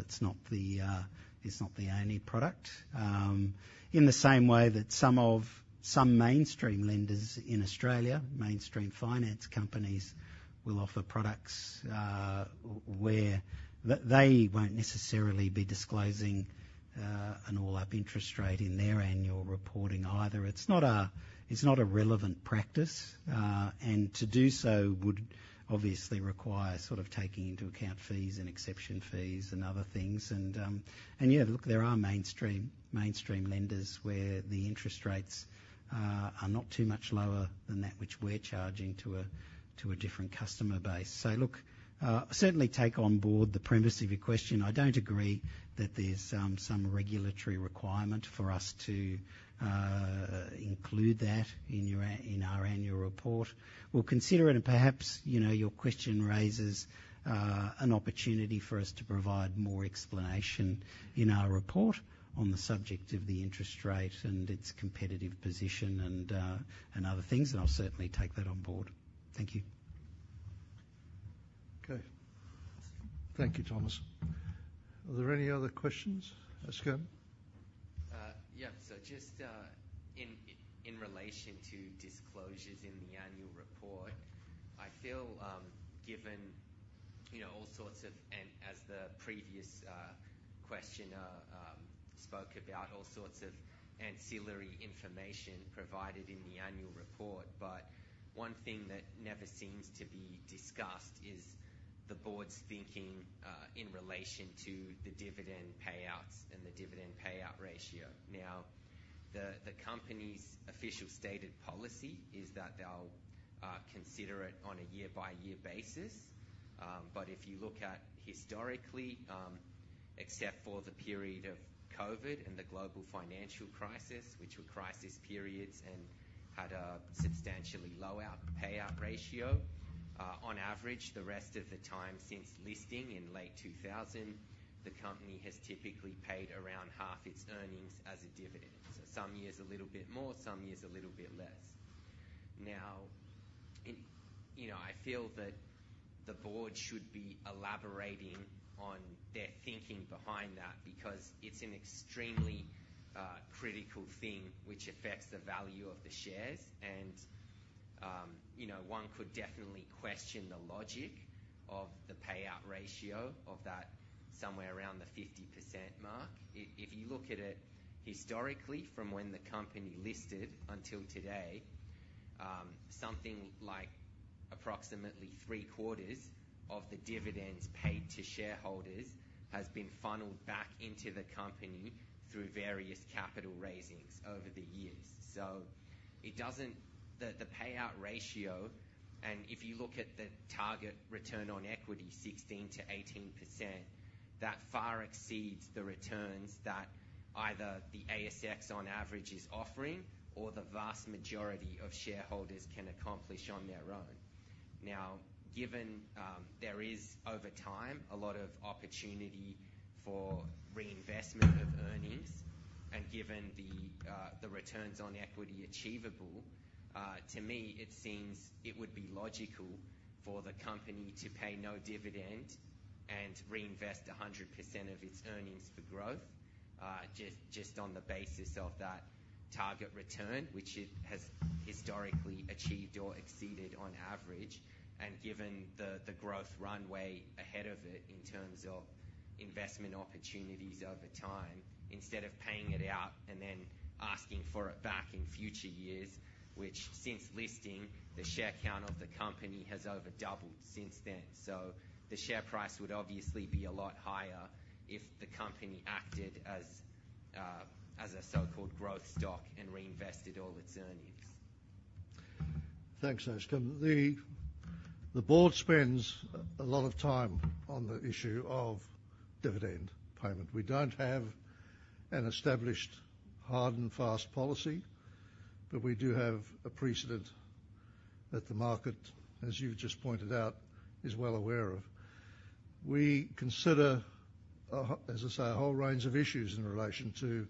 It's not the only product. In the same way that some mainstream lenders in Australia, mainstream finance companies, will offer products where they won't necessarily be disclosing an all-up interest rate in their annual reporting either. It's not a relevant practice, and to do so would obviously require sort of taking into account fees and extension fees and other things. And yeah, look, there are mainstream lenders where the interest rates are not too much lower than that which we're charging to a different customer base. So look, certainly take on board the premise of your question. I don't agree that there's some regulatory requirement for us to include that in our annual report. We'll consider it, and perhaps, you know, your question raises an opportunity for us to provide more explanation in our report on the subject of the interest rate and its competitive position and other things, and I'll certainly take that on board. Thank you. Okay. Thank you, Thomas. Are there any other questions? Ask them. Yeah, so just in relation to disclosures in the annual report, I feel, given, you know, all sorts of and as the previous questioner spoke about all sorts of ancillary information provided in the annual report. But one thing that never seems to be discussed is the board's thinking in relation to the dividend payouts and the dividend payout ratio. Now, the company's official stated policy is that they'll consider it on a year-by-year basis. But if you look at historically, except for the period of COVID and the global financial crisis, which were crisis periods and had a substantially lower payout ratio, on average, the rest of the time since listing in late two thousand, the company has typically paid around half its earnings as a dividend. So some years a little bit more, some years a little bit less. Now, it, you know, I feel that the board should be elaborating on their thinking behind that, because it's an extremely critical thing which affects the value of the shares. And, you know, one could definitely question the logic of the payout ratio of that somewhere around the 50% mark. If, if you look at it historically from when the company listed until today, something like approximately three-quarters of the dividends paid to shareholders has been funneled back into the company through various capital raisings over the years. So it doesn't the payout ratio, and if you look at the target return on equity, 16%-18%, that far exceeds the returns that either the ASX on average is offering or the vast majority of shareholders can accomplish on their own. Now, given there is, over time, a lot of opportunity for reinvestment of earnings and given the returns on equity achievable, to me, it seems it would be logical for the company to pay no dividend and reinvest 100% of its earnings for growth, just on the basis of that target return, which it has historically achieved or exceeded on average, and given the growth runway ahead of it in terms of investment opportunities over time, instead of paying it out and then asking for it back in future years, which since listing, the share count of the company has over doubled since then. So the share price would obviously be a lot higher if the company acted as a so-called growth stock and reinvested all its earnings. Thanks, Ashkan. The board spends a lot of time on the issue of dividend payment. We don't have an established hard and fast policy, but we do have a precedent that the market, as you've just pointed out, is well aware of. We consider, as I say, a whole range of issues in relation to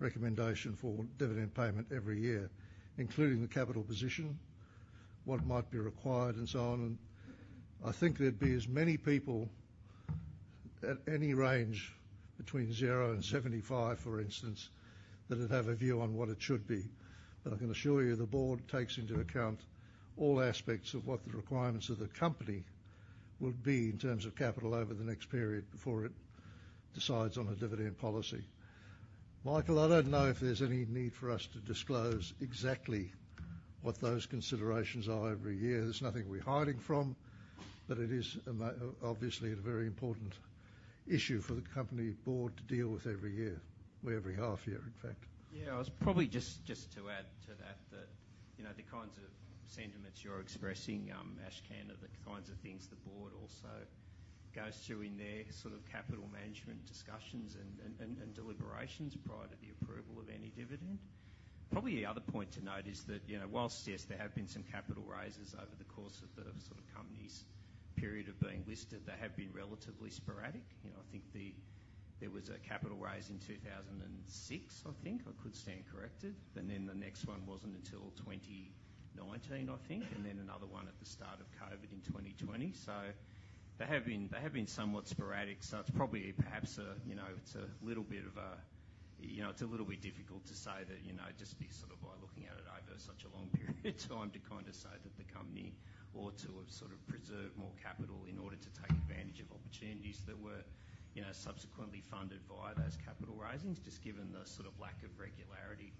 recommendation for dividend payment every year, including the capital position, what might be required, and so on. I think there'd be as many people at any range between zero and 75, for instance, that would have a view on what it should be. But I can assure you, the board takes into account all aspects of what the requirements of the company would be in terms of capital over the next period before it decides on a dividend policy. Michael, I don't know if there's any need for us to disclose exactly what those considerations are every year. There's nothing we're hiding from, but it is obviously a very important issue for the company board to deal with every year, or every half year, in fact. Yeah, I was probably just to add to that, you know, the kinds of sentiments you're expressing, Ashkan, are the kinds of things the board also goes through in their sort of capital management discussions and deliberations prior to the approval of any dividend. Probably the other point to note is that, you know, while, yes, there have been some capital raises over the course of the sort of company's period of being listed, they have been relatively sporadic. You know, I think there was a capital raise in two thousand and six, I think. I could stand corrected, and then the next one wasn't until twenty nineteen, I think, and then another one at the start of COVID in twenty twenty. So they have been somewhat sporadic, so it's probably perhaps a, you know, it's a little bit of a. You know, it's a little bit difficult to say that, you know, just be sort of by looking at it over such a long period of time, to kind of say that the company ought to have sort of preserved more capital in order to take advantage of opportunities that were, you know, subsequently funded via those capital raisings, just given the sort of lack of regularity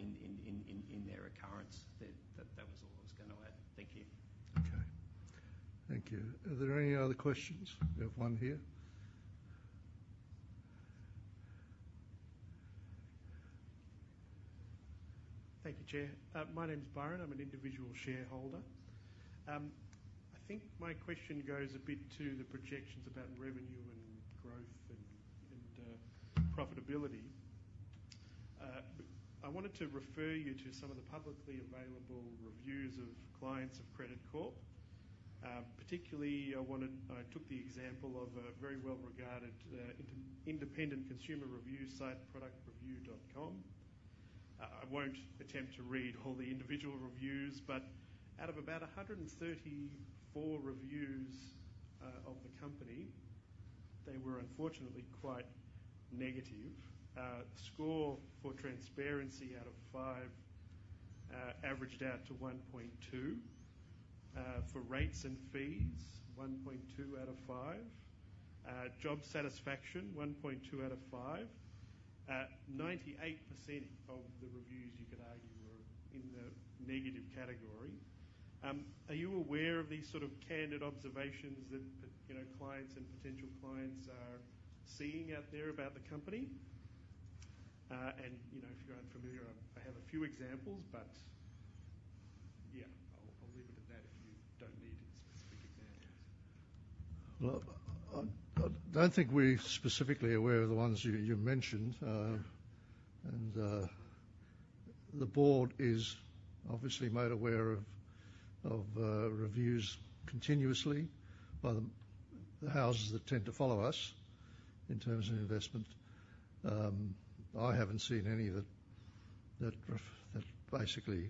in their occurrence. That was all I was going to add. Thank you. Okay. Thank you. Are there any other questions? We have one here. Thank you, Chair. My name is Byron. I'm an individual shareholder. I think my question goes a bit to the projections about revenue and growth and profitability. I wanted to refer you to some of the publicly available reviews of clients of Credit Corp. Particularly, I wanted. I took the example of a very well-regarded, independent consumer review site, ProductReview.com.au. I won't attempt to read all the individual reviews, but out of about a hundred and thirty-four reviews of the company, they were unfortunately quite negative. Score for transparency out of five averaged out to 1.2. For rates and fees, 1.2 out of five. Job satisfaction, 1.2 out of five. 98% of the reviews, you could argue, were in the negative category. Are you aware of these sort of candid observations that, you know, clients and potential clients are seeing out there about the company? And, you know, if you're unfamiliar, I have a few examples, but yeah, I'll leave it at that if you don't need specific examples. Well, I don't think we're specifically aware of the ones you mentioned. The board is obviously made aware of reviews continuously by the houses that tend to follow us in terms of investment. I haven't seen any that basically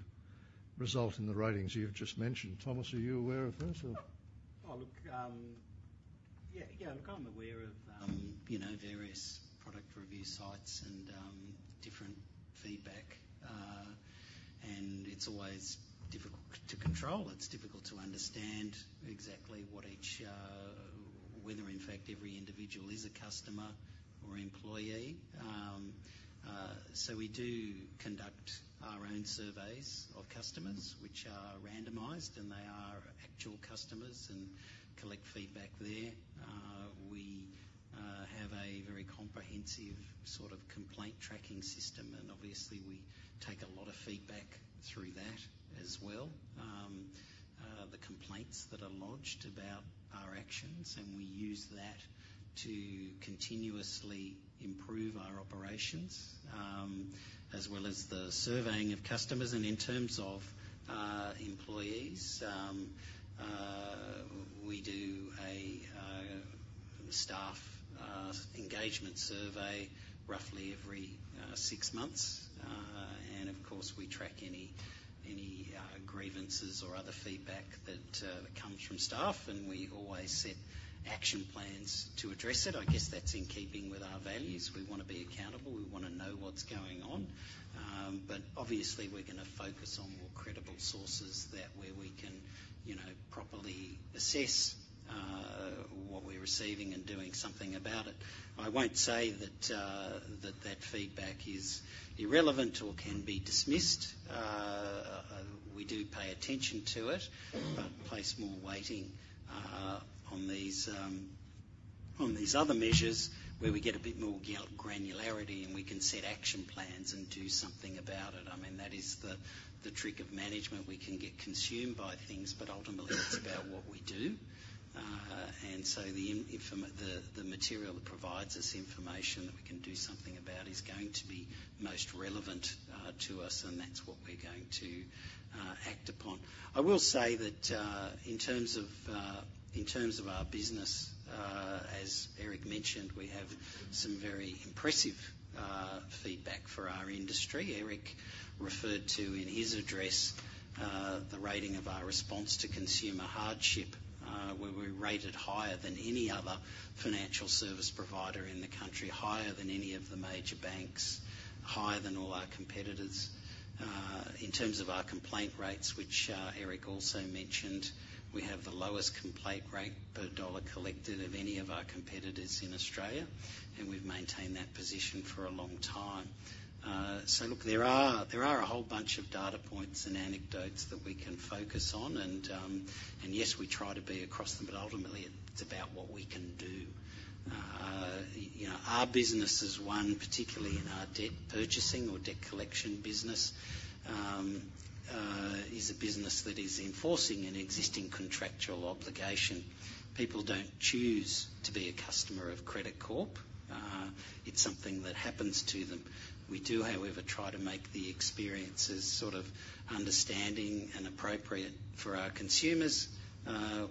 result in the ratings you've just mentioned. Thomas, are you aware of this or? Oh, look, yeah, yeah, look, I'm aware of, you know, various product review sites and, different feedback. And it's always difficult to control. It's difficult to understand exactly what each-- whether, in fact, every individual is a customer or employee. So we do conduct our own surveys of customers, which are randomized, and they are actual customers, and collect feedback there. We have a very comprehensive sort of complaint tracking system, and obviously, we take a lot of feedback through that as well. The complaints that are lodged about our actions, and we use that to continuously improve our operations, as well as the surveying of customers. And in terms of employees, we do a staff engagement survey roughly every six months. And of course, we track any grievances or other feedback that comes from staff, and we always set action plans to address it. I guess that's in keeping with our values. We want to be accountable. We want to know what's going on. But obviously, we're gonna focus on more credible sources than where we can, you know, properly assess what we're receiving and doing something about it. I won't say that that feedback is irrelevant or can be dismissed. We do pay attention to it, but place more weighting on these other measures, where we get a bit more granularity, and we can set action plans and do something about it. I mean, that is the trick of management. We can get consumed by things, but ultimately, it's about what we do. And so the material that provides us information that we can do something about is going to be most relevant to us, and that's what we're going to act upon. I will say that, in terms of our business, as Eric mentioned, we have some very impressive feedback for our industry. Eric referred to, in his address, the rating of our response to consumer hardship, where we rated higher than any other financial service provider in the country, higher than any of the major banks, higher than all our competitors. In terms of our complaint rates, which Eric also mentioned, we have the lowest complaint rate per dollar collected of any of our competitors in Australia, and we've maintained that position for a long time. So look, there are a whole bunch of data points and anecdotes that we can focus on, and yes, we try to be across them, but ultimately, it's about what we can do. You know, our business is one, particularly in our debt purchasing or debt collection business, is a business that is enforcing an existing contractual obligation. People don't choose to be a customer of Credit Corp. It's something that happens to them. We do, however, try to make the experiences sort of understanding and appropriate for our consumers,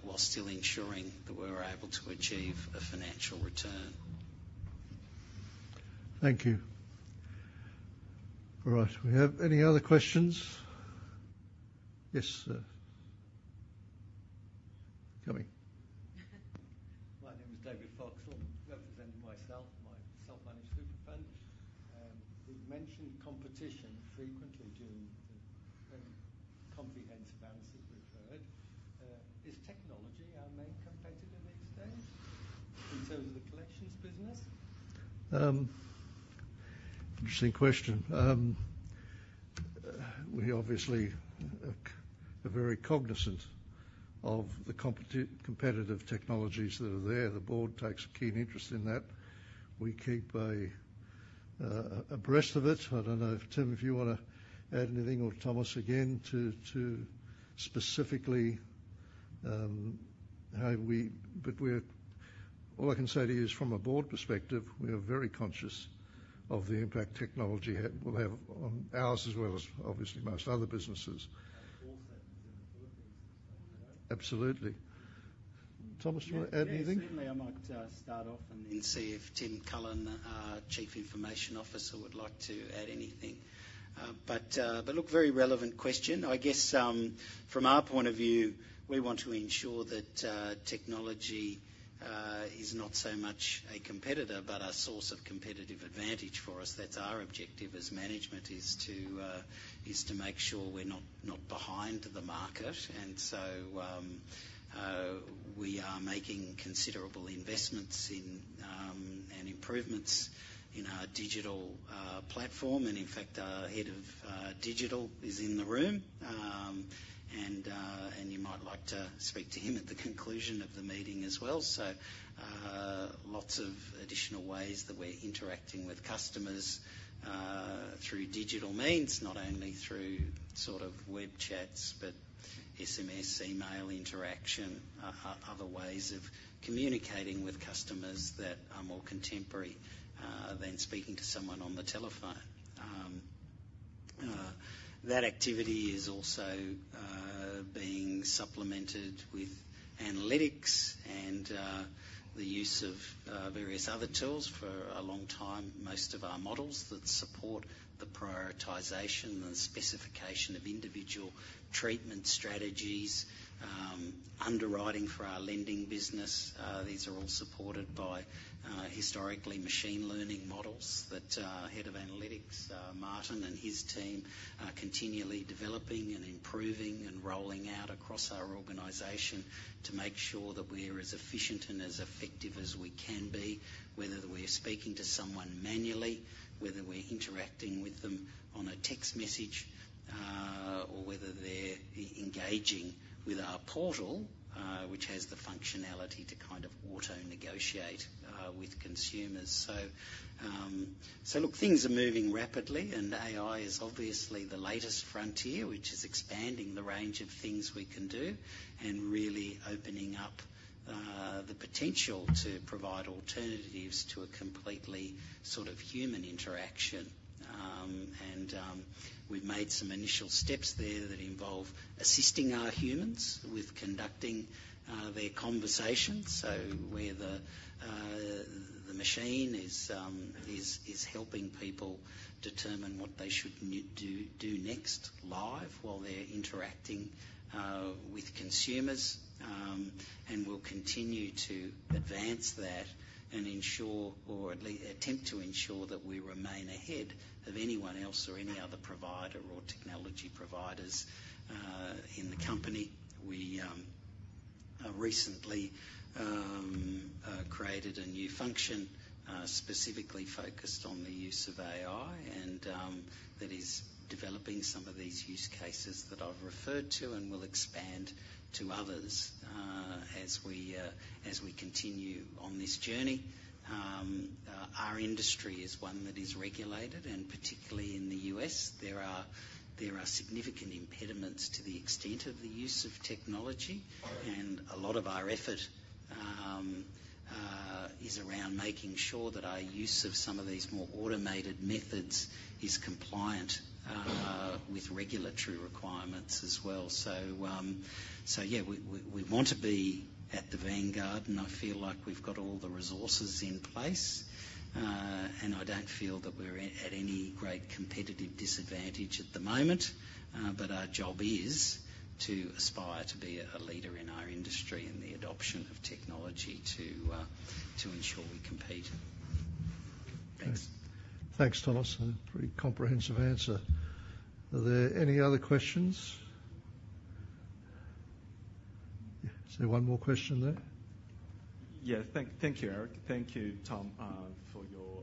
while still ensuring that we're able to achieve a financial return. Thank you. All right. Do we have any other questions? Yes, sir. Coming. My name is David Foxwell, representing myself and my self-managed super fund. You've mentioned competition frequently during the very comprehensive analysis we've heard. Is technology our main competitor these days in terms of the collections business? Interesting question. We obviously are very cognizant of the competitive technologies that are there. The board takes a keen interest in that. We keep abreast of it. I don't know if, Tim, you want to add anything or Thomas, again, to specifically how we... But we're all I can say to you is, from a board perspective, we are very conscious of the impact technology have, will have on ours, as well as, obviously, most other businesses. Also, in the Philippines, as well. Absolutely. Thomas, you want to add anything? Yeah, certainly, I might start off and then see if Tim Cullen, our Chief Information Officer, would like to add anything, but look, very relevant question. I guess from our point of view, we want to ensure that technology is not so much a competitor, but a source of competitive advantage for us. That's our objective as management, is to make sure we're not behind the market. And so we are making considerable investments in and improvements in our digital platform. In fact, our Head of Digital is in the room, and you might like to speak to him at the conclusion of the meeting as well. So, lots of additional ways that we're interacting with customers through digital means, not only through sort of web chats, but SMS, email interaction, other ways of communicating with customers that are more contemporary than speaking to someone on the telephone. That activity is also being supplemented with analytics and the use of various other tools. For a long time, most of our models that support the prioritization and specification of individual treatment strategies, underwriting for our lending business, these are all supported by, historically machine learning models that our Head of Analytics, Martin and his team are continually developing and improving and rolling out across our organization to make sure that we're as efficient and as effective as we can be, whether we're speaking to someone manually, whether we're interacting with them on a text message, or whether they're engaging with our portal, which has the functionality to kind of auto-negotiate, with consumers. So look, things are moving rapidly, and AI is obviously the latest frontier, which is expanding the range of things we can do and really opening up the potential to provide alternatives to a completely sort of human interaction. We've made some initial steps there that involve assisting our humans with conducting their conversations. So where the machine is helping people determine what they should do next live while they're interacting with consumers. We'll continue to advance that and ensure or at least attempt to ensure that we remain ahead of anyone else or any other provider or technology providers in the company. We recently created a new function specifically focused on the use of AI, and that is developing some of these use cases that I've referred to and will expand to others as we continue on this journey. Our industry is one that is regulated, and particularly in the U.S., there are significant impediments to the extent of the use of technology. And a lot of our effort is around making sure that our use of some of these more automated methods is compliant with regulatory requirements as well. So yeah, we want to be at the vanguard, and I feel like we've got all the resources in place. And I don't feel that we're at any great competitive disadvantage at the moment, but our job is to aspire to be a leader in our industry in the adoption of technology to ensure we compete. Thanks. Thanks, Thomas. A pretty comprehensive answer. Are there any other questions? Yeah. Is there one more question there? Yeah. Thank you, Eric. Thank you, Tom, for your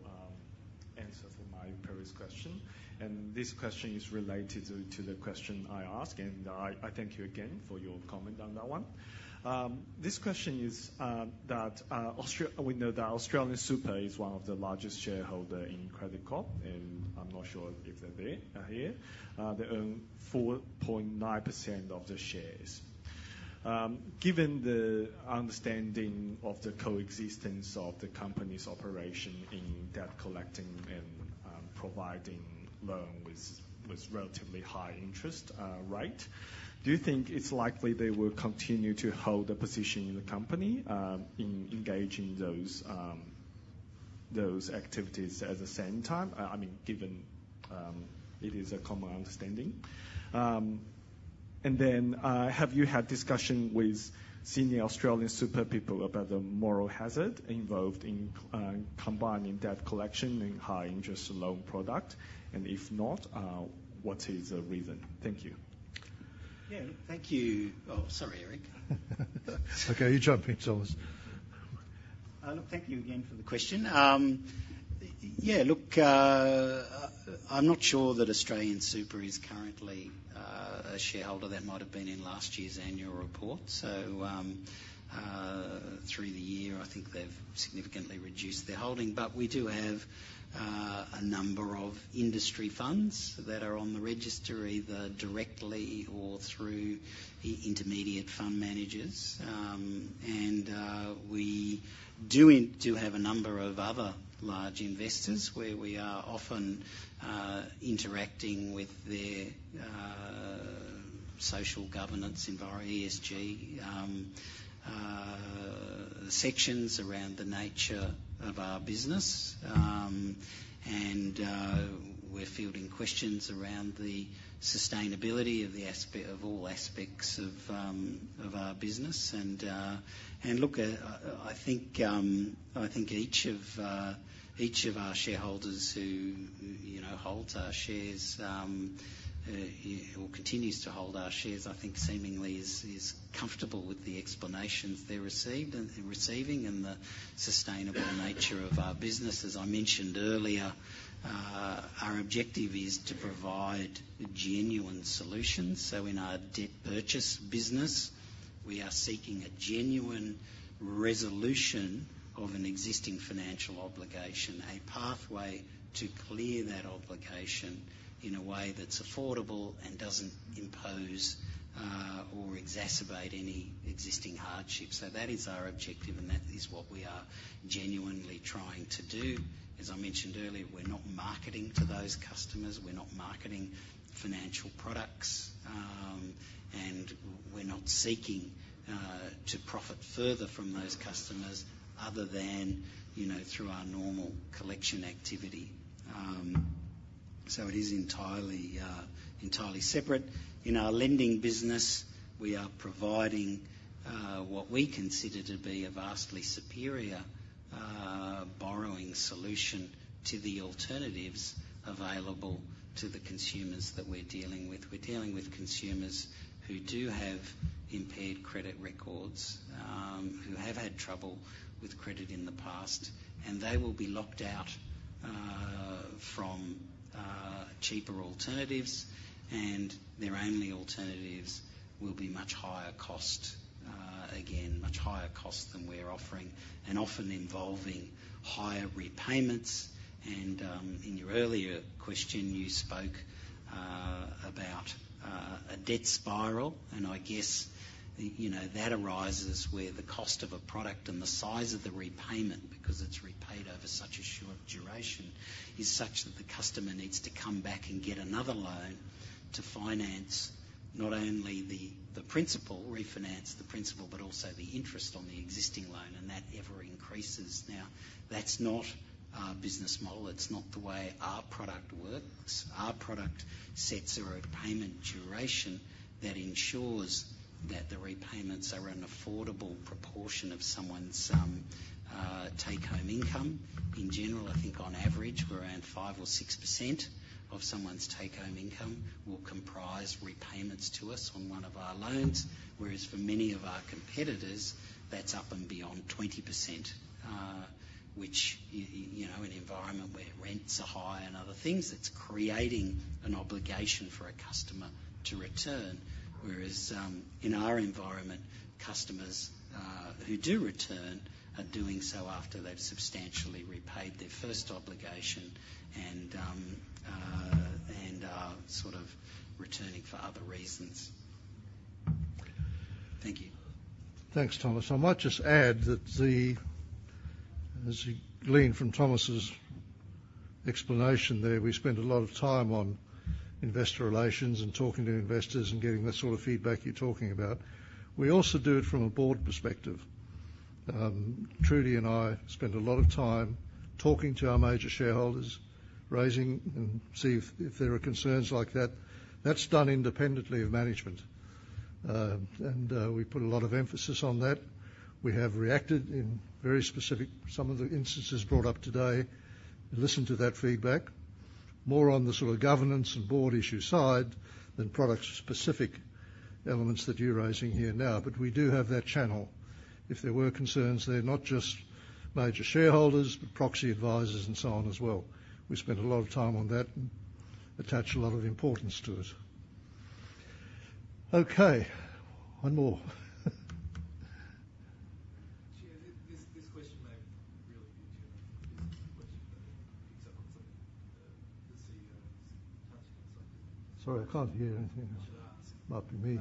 answer for my previous question. And this question is related to the question I asked, and I thank you again for your comment on that one. This question is that AustralianSuper is one of the largest shareholder in Credit Corp, and I'm not sure if they're there here. They own 4.9% of the shares. Given the understanding of the coexistence of the company's operation in debt collecting and providing loan with relatively high interest rate, do you think it's likely they will continue to hold a position in the company in engaging those activities at the same time? I mean, given it is a common understanding. And then, have you had discussion with senior AustralianSuper people about the moral hazard involved in combining debt collection and high interest loan product, and if not, what is the reason? Thank you. Yeah. Thank you. Oh, sorry, Eric. Okay, you jump in, Thomas. Look, thank you again for the question. Yeah, look, I'm not sure that AustralianSuper is currently a shareholder. That might have been in last year's annual report, so through the year, I think they've significantly reduced their holding, but we do have a number of industry funds that are on the registry, either directly or through the intermediate fund managers, and we do have a number of other large investors, where we are often interacting with their social governance environment, ESG, sections around the nature of our business, and we're fielding questions around the sustainability of the aspects of all aspects of our business. Look, I think each of our shareholders who, you know, holds our shares or continues to hold our shares, I think seemingly is comfortable with the explanations they received and they're receiving and the sustainable nature of our business. As I mentioned earlier, our objective is to provide genuine solutions. So in our debt purchase business, we are seeking a resolution of an existing financial obligation, a pathway to clear that obligation in a way that's affordable and doesn't impose or exacerbate any existing hardships. So that is our objective, and that is what we are genuinely trying to do. As I mentioned earlier, we're not marketing to those customers, we're not marketing financial products, and we're not seeking to profit further from those customers other than, you know, through our normal collection activity. So it is entirely separate. In our lending business, we are providing what we consider to be a vastly superior borrowing solution to the alternatives available to the consumers that we're dealing with. We're dealing with consumers who do have impaired credit records, who have had trouble with credit in the past, and they will be locked out from cheaper alternatives, and their only alternatives will be much higher cost. Again, much higher cost than we're offering, and often involving higher repayments. In your earlier question, you spoke about a debt spiral, and I guess, you know, that arises where the cost of a product and the size of the repayment, because it's repaid over such a short duration, is such that the customer needs to come back and get another loan to finance not only the principal, refinance the principal, but also the interest on the existing loan, and that ever increases. Now, that's not our business model. It's not the way our product works. Our product sets a repayment duration that ensures that the repayments are an affordable proportion of someone's take-home income. In general, I think on average, we're around 5% or 6% of someone's take-home income will comprise repayments to us on one of our loans, whereas for many of our competitors, that's up and beyond 20%, which, you know, in an environment where rents are high and other things, it's creating an obligation for a customer to return. Whereas, in our environment, customers, who do return are doing so after they've substantially repaid their first obligation and are sort of returning for other reasons. Thank you. Thanks, Thomas. I might just add that, as you glean from Thomas's explanation there, we spend a lot of time on investor relations and talking to investors and getting the sort of feedback you're talking about. We also do it from a board perspective. Trudy and I spend a lot of time talking to our major shareholders, raising and see if, if there are concerns like that. That's done independently of management. We put a lot of emphasis on that. We have reacted in very specific, some of the instances brought up today, and listened to that feedback, more on the sort of governance and board issue side than product-specific elements that you're raising here now. But we do have that channel. If there were concerns, they're not just major shareholders, but proxy advisors and so on as well. We spend a lot of time on that and attach a lot of importance to it. Okay, one more. Chair, this question may really be to you. Sorry, I can't hear anything. Should I- Not to me.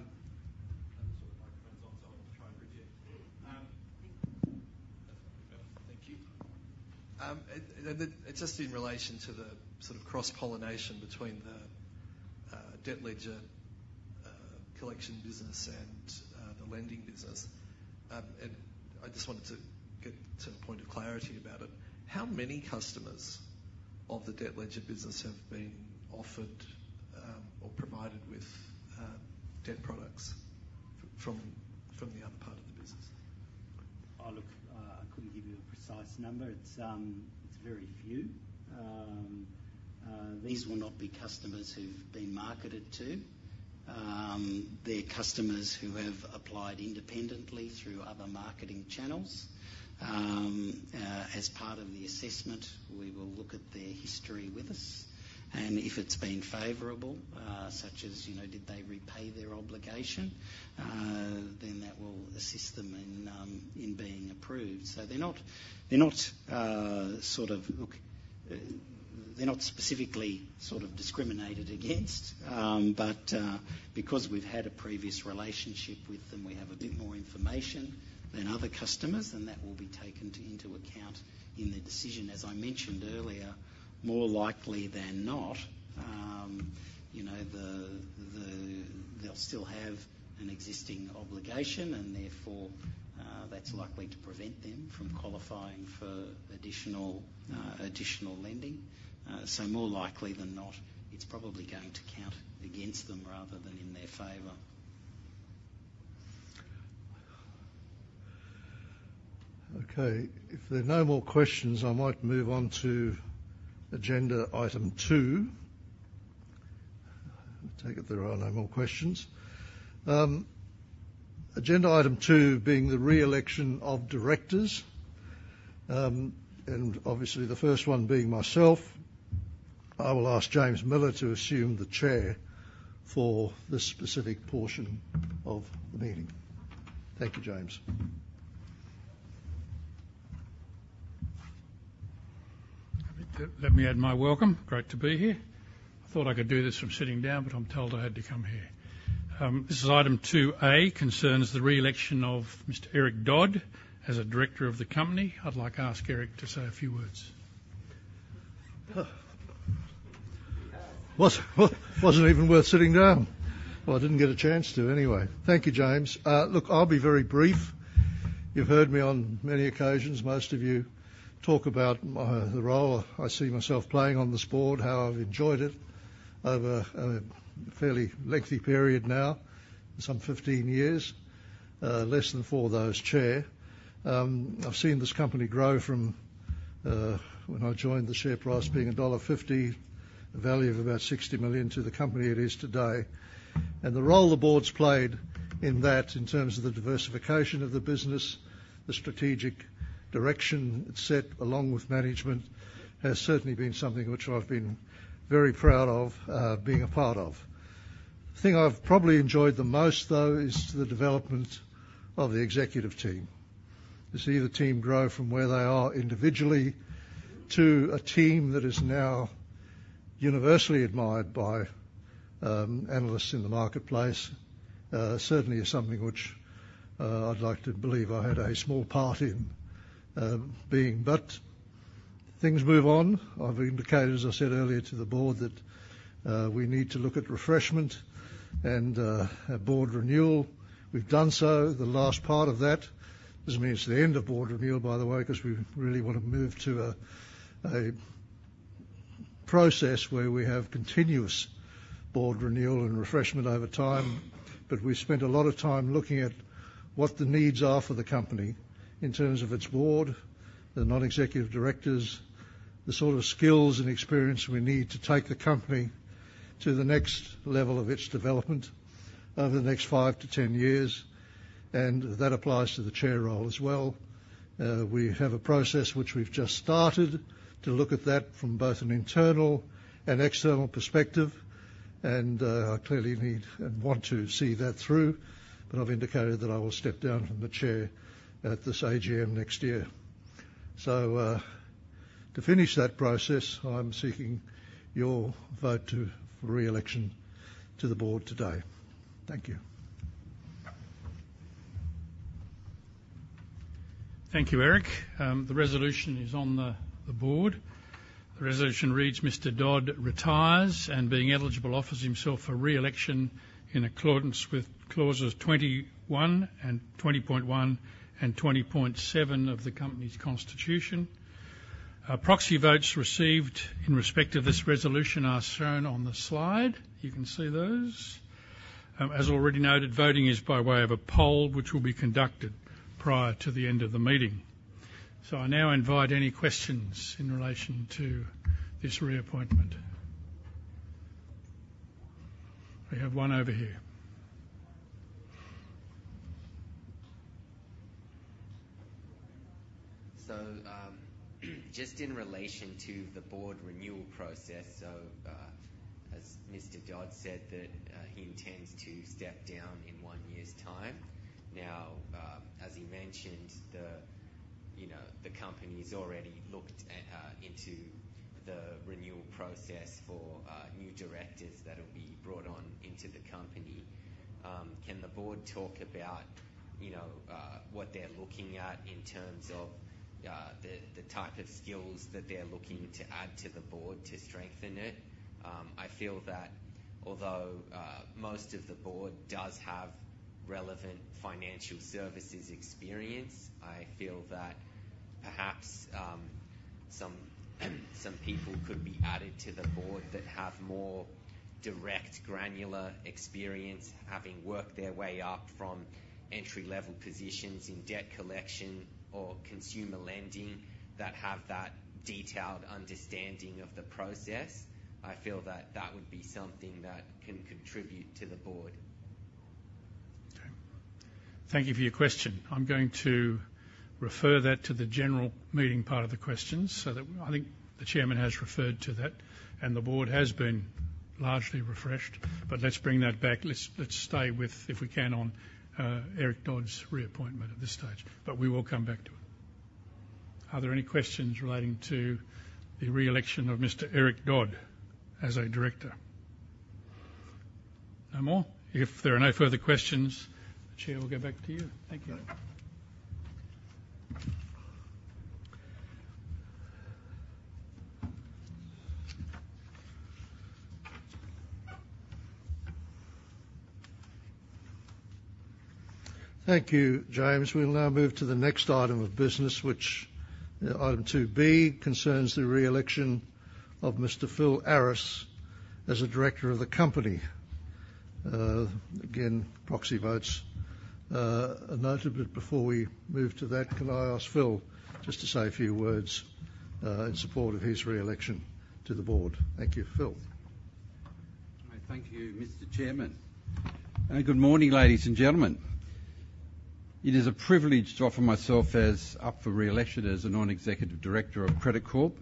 Sorry, microphone's on, so I'll try and repeat. Thank you. It just in relation to the sort of cross-pollination between the debt ledger collection business and the lending business. And I just wanted to get sort of point of clarity about it. How many customers of the debt ledger business have been offered or provided with debt products from the other part of the business? Oh, look, I couldn't give you a precise number. It's very few. These will not be customers who've been marketed to. They're customers who have applied independently through other marketing channels. As part of the assessment, we will look at their history with us, and if it's been favorable, such as, you know, did they repay their obligation? Then that will assist them in being approved. So they're not, they're not sort of... Look, they're not specifically sort of discriminated against, but because we've had a previous relationship with them, we have a bit more information than other customers, and that will be taken into account in the decision. As I mentioned earlier, more likely than not, you know, they'll still have an existing obligation, and therefore, that's likely to prevent them from qualifying for additional, additional lending. So more likely than not, it's probably going to count against them rather than in their favor. Okay, if there are no more questions, I might move on to agenda item two. I take it there are no more questions. Agenda item two being the re-election of directors, and obviously, the first one being myself. I will ask James Millar to assume the chair for this specific portion of the meeting. Thank you, James. Let me add my welcome. Great to be here. I thought I could do this from sitting down, but I'm told I had to come here. This is Item 2A, concerns the re-election of Mr. Eric Dodd as a director of the company. I'd like to ask Eric to say a few words. Wasn't even worth sitting down. I didn't get a chance to anyway. Thank you, James. Look, I'll be very brief. You've heard me on many occasions, most of you talk about my, the role I see myself playing on this board, how I've enjoyed it over a fairly lengthy period now, some 15 years, less than four of those, Chair. I've seen this company grow from, when I joined, the share price being dollar 1.50, a value of about 60 million to the company it is today. And the role the board's played in that, in terms of the diversification of the business, the strategic direction it set, along with management, has certainly been something which I've been very proud of, being a part of. The thing I've probably enjoyed the most, though, is the development of the executive team. To see the team grow from where they are individually, to a team that is now universally admired by analysts in the marketplace, certainly is something which I'd like to believe I had a small part in being. But things move on. I've indicated, as I said earlier to the board, that we need to look at refreshment and a board renewal. We've done so. The last part of that doesn't mean it's the end of board renewal, by the way, because we really want to move to a process where we have continuous board renewal and refreshment over time. But we've spent a lot of time looking at what the needs are for the company in terms of its board, the non-executive directors, the sort of skills and experience we need to take the company to the next level of its development over the next five to ten years, and that applies to the chair role as well. We have a process which we've just started to look at that from both an internal and external perspective, and I clearly need and want to see that through, but I've indicated that I will step down from the chair at this AGM next year. So, to finish that process, I'm seeking your vote to, for re-election to the board today. Thank you. Thank you, Eric. The resolution is on the board. The resolution reads: Mr. Dodd retires, and being eligible, offers himself for re-election in accordance with clauses 21, 20.1, and 20.7 of the company's constitution. Proxy votes received in respect of this resolution are shown on the slide. You can see those. As already noted, voting is by way of a poll, which will be conducted prior to the end of the meeting. So I now invite any questions in relation to this reappointment. We have one over here. So, just in relation to the board renewal process. As Mr. Dodd said, he intends to step down in one year's time. Now, as he mentioned, you know, the company's already looked into the renewal process for new directors that will be brought on into the company. Can the board talk about, you know, what they're looking at in terms of the type of skills that they're looking to add to the board to strengthen it? I feel that although most of the board does have relevant financial services experience, I feel that perhaps some people could be added to the board that have more direct, granular experience, having worked their way up from entry-level positions in debt collection or consumer lending that have that detailed understanding of the process. I feel that would be something that can contribute to the board. Okay. Thank you for your question. I'm going to refer that to the general meeting part of the questions, so that. I think the chairman has referred to that, and the board has been largely refreshed, but let's bring that back. Let's stay with, if we can, on Eric Dodd's reappointment at this stage, but we will come back to it. Are there any questions relating to the re-election of Mr. Eric Dodd as a director? No more. If there are no further questions, Chair, we'll go back to you. Thank you. Thank you. Thank you, James. We'll now move to the next item of business, which, Item 2B, concerns the re-election of Mr. Phil Aris as a director of the company. Again, proxy votes are noted, but before we move to that, can I ask Phil just to say a few words in support of his re-election to the board? Thank you, Phil. Thank you, Mr. Chairman, and good morning, ladies and gentlemen. It is a privilege to offer myself as up for re-election as a non-executive director of Credit Corp.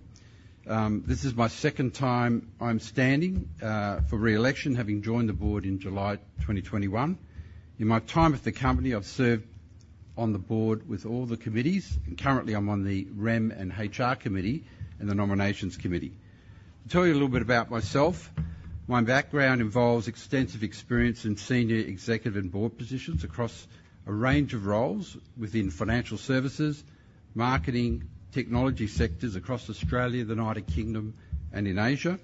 This is my second time I'm standing for re-election, having joined the board in July 2021. In my time with the company, I've served on the board with all the committees, and currently I'm on the Rem and HR Committee and the Nominations Committee. To tell you a little bit about myself, my background involves extensive experience in senior executive and board positions across a range of roles within financial services, marketing, technology sectors across Australia, the United Kingdom, and in Asia.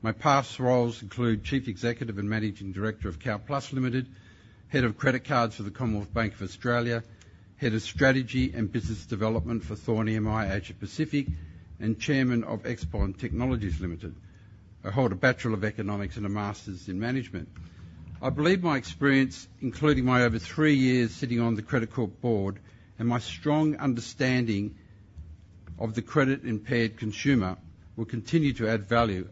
My past roles include Chief Executive and Managing Director of CountPlus Limited, Head of Credit Cards for the Commonwealth Bank of Australia, Head of Strategy and Business Development for Thorn EMI Asia Pacific, and Chairman of XPON Technologies Limited. I hold a Bachelor of Economics and a Master's in Management. I believe my experience, including my over three years sitting on the Credit Corp board, and my strong understanding of the credit-impaired consumer, will continue to add value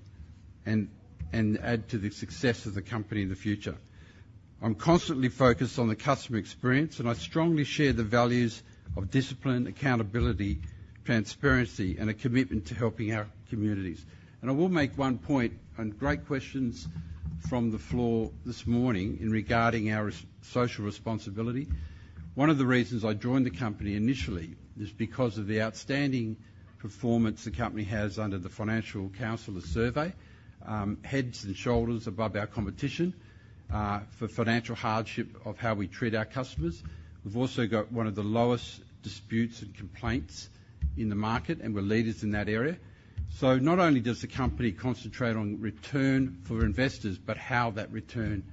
and add to the success of the company in the future. I'm constantly focused on the customer experience, and I strongly share the values of discipline, accountability, transparency, and a commitment to helping our communities. I will make one point on great questions from the floor this morning regarding our social responsibility. One of the reasons I joined the company initially is because of the outstanding performance the company has under the Financial Counsellor Survey, heads and shoulders above our competition, for financial hardship of how we treat our customers. We've also got one of the lowest disputes and complaints in the market, and we're leaders in that area. So not only does the company concentrate on return for investors, but how that return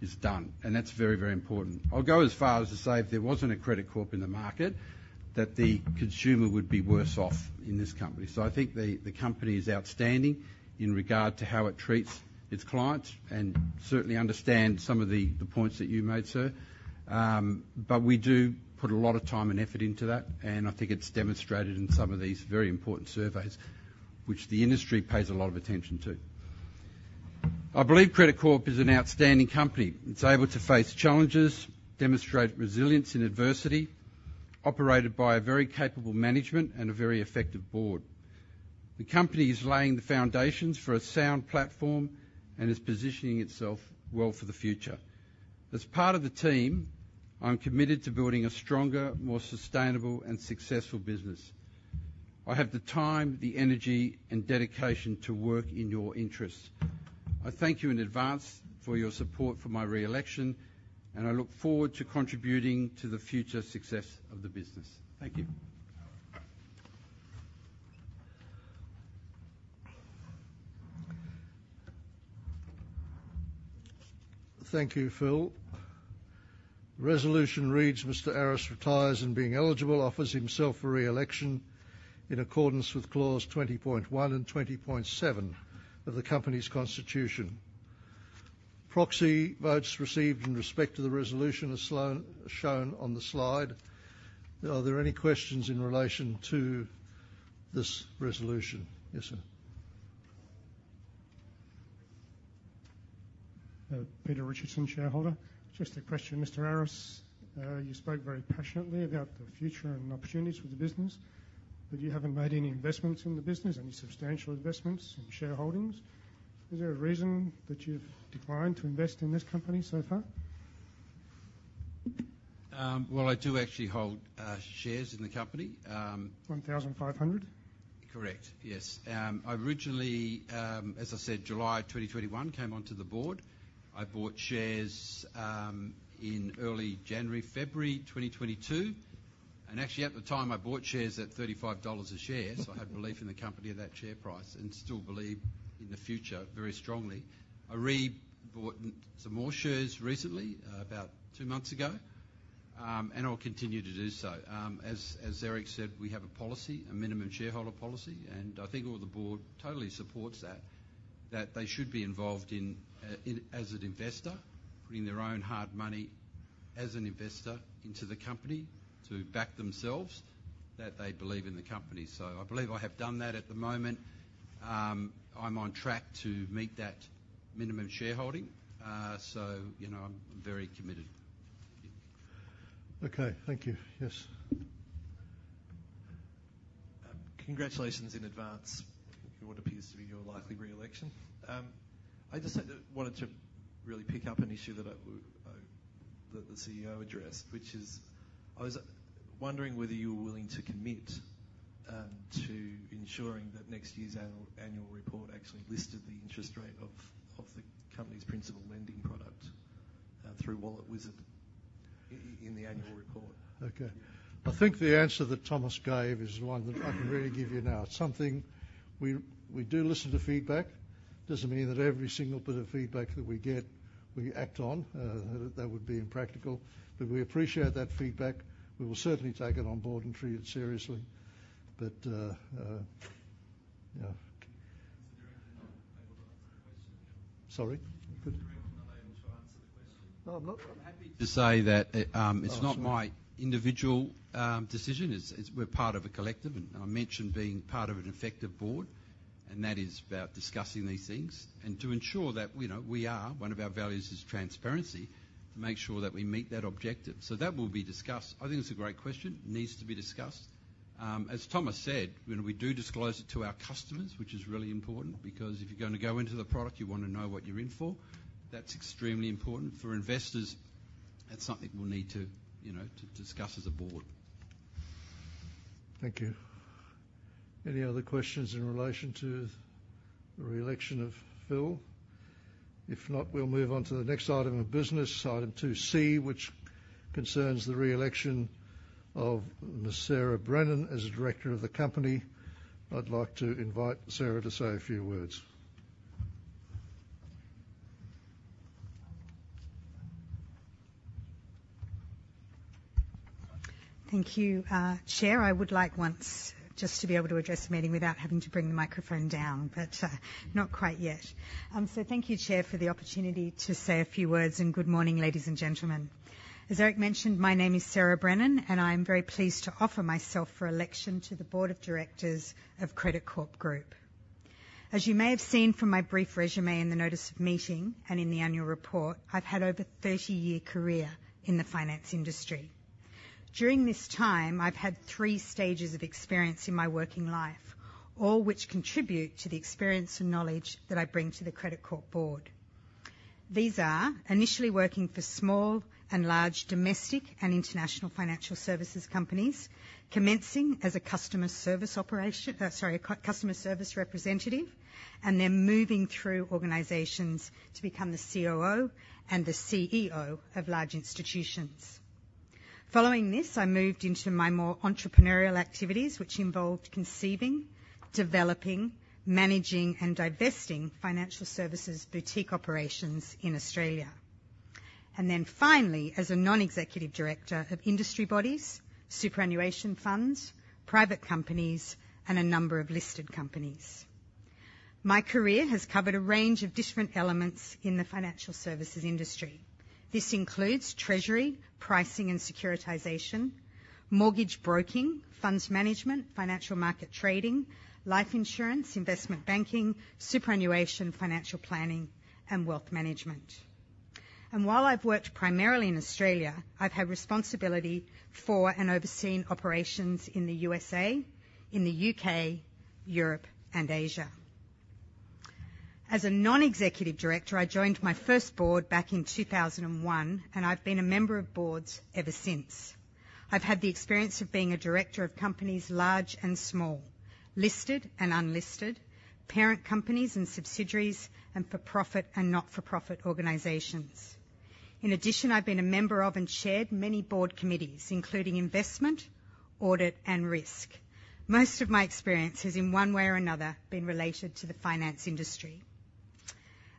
is done, and that's very, very important. I'll go as far as to say, if there wasn't a Credit Corp in the market, that the consumer would be worse off in this company. So I think the company is outstanding in regard to how it treats its clients, and certainly understand some of the points that you made, sir. But we do put a lot of time and effort into that, and I think it's demonstrated in some of these very important surveys, which the industry pays a lot of attention to. I believe Credit Corp is an outstanding company. It's able to face challenges, demonstrate resilience in adversity, operated by a very capable management and a very effective board. The company is laying the foundations for a sound platform and is positioning itself well for the future. As part of the team, I'm committed to building a stronger, more sustainable and successful business. I have the time, the energy and dedication to work in your interests. I thank you in advance for your support for my re-election, and I look forward to contributing to the future success of the business. Thank you. Thank you, Phil. Resolution reads: Mr. Aris retires and, being eligible, offers himself for re-election in accordance with Clause 20.1 and 20.7 of the company's constitution. Proxy votes received in respect to the resolution as shown on the slide. Are there any questions in relation to this resolution? Yes, sir. Peter Richardson, shareholder. Just a question, Mr. Aris. You spoke very passionately about the future and opportunities for the business, but you haven't made any investments in the business, any substantial investments in shareholdings. Is there a reason that you've declined to invest in this company so far? Well, I do actually hold shares in the company. One thousand five hundred? Correct. Yes. I originally, as I said, July 2021, came onto the board. I bought shares in early January, February 2022, and actually at the time, I bought shares at 35 dollars a share. So I had belief in the company at that share price and still believe in the future very strongly. I re-bought some more shares recently, about two months ago, and I'll continue to do so. As, as Eric said, we have a policy, a minimum shareholder policy, and I think all the board totally supports that, that they should be involved in, in, as an investor, putting their own hard money as an investor into the company to back themselves, that they believe in the company. So I believe I have done that at the moment. I'm on track to meet that minimum shareholding, so, you know, I'm very committed. Okay. Thank you. Yes. Congratulations in advance for what appears to be your likely re-election. I just wanted to really pick up an issue that the CEO addressed, which is I was wondering whether you were willing to commit to ensuring that next year's annual report actually listed the interest rate of the company's principal lending product through Wallet Wizard in the annual report? Okay. I think the answer that Thomas gave is one that I can really give you now. It's something we do listen to feedback. Doesn't mean that every single bit of feedback that we get, we act on. That would be impractical, but we appreciate that feedback. We will certainly take it on board and treat it seriously. But, yeah. Sorry? Good. No, I'm not. I'm happy to say that it's not my individual decision. It's we're part of a collective, and I mentioned being part of an effective board, and that is about discussing these things and to ensure that, you know, we are, one of our values is transparency, to make sure that we meet that objective. So that will be discussed. I think it's a great question, needs to be discussed. As Thomas said, when we do disclose it to our customers, which is really important, because if you're going to go into the product, you want to know what you're in for. That's extremely important. For investors, that's something we'll need to, you know, to discuss as a board. Thank you. Any other questions in relation to the re-election of Phil? If not, we'll move on to the next item of business, Item 2C, which concerns the re-election of Ms. Sarah Brennan as a director of the company. I'd like to invite Sarah to say a few words. Thank you, Chair. I would like once just to be able to address the meeting without having to bring the microphone down, but, not quite yet. So thank you, Chair, for the opportunity to say a few words, and good morning, ladies and gentlemen. As Eric mentioned, my name is Sarah Brennan, and I'm very pleased to offer myself for election to the Board of Directors of Credit Corp Group. As you may have seen from my brief resume in the notice of meeting and in the annual report, I've had over thirty-year career in the finance industry. During this time, I've had three stages of experience in my working life, all which contribute to the experience and knowledge that I bring to the Credit Corp board. These are initially working for small and large domestic and international financial services companies, commencing as a customer service representative, and then moving through organizations to become the COO and the CEO of large institutions. Following this, I moved into my more entrepreneurial activities, which involved conceiving, developing, managing, and divesting financial services boutique operations in Australia, and then finally, as a non-executive director of industry bodies, superannuation funds, private companies, and a number of listed companies. My career has covered a range of different elements in the financial services industry. This includes treasury, pricing and securitization, mortgage broking, funds management, financial market trading, life insurance, investment banking, superannuation, financial planning, and wealth management. While I've worked primarily in Australia, I've had responsibility for and overseen operations in the USA, in the U.K., Europe, and Asia. As a non-executive director, I joined my first board back in 2001, and I've been a member of boards ever since. I've had the experience of being a director of companies large and small, listed and unlisted, parent companies and subsidiaries, and for-profit and not-for-profit organizations. In addition, I've been a member of and chaired many board committees, including investment, audit, and risk. Most of my experience has, in one way or another, been related to the finance industry.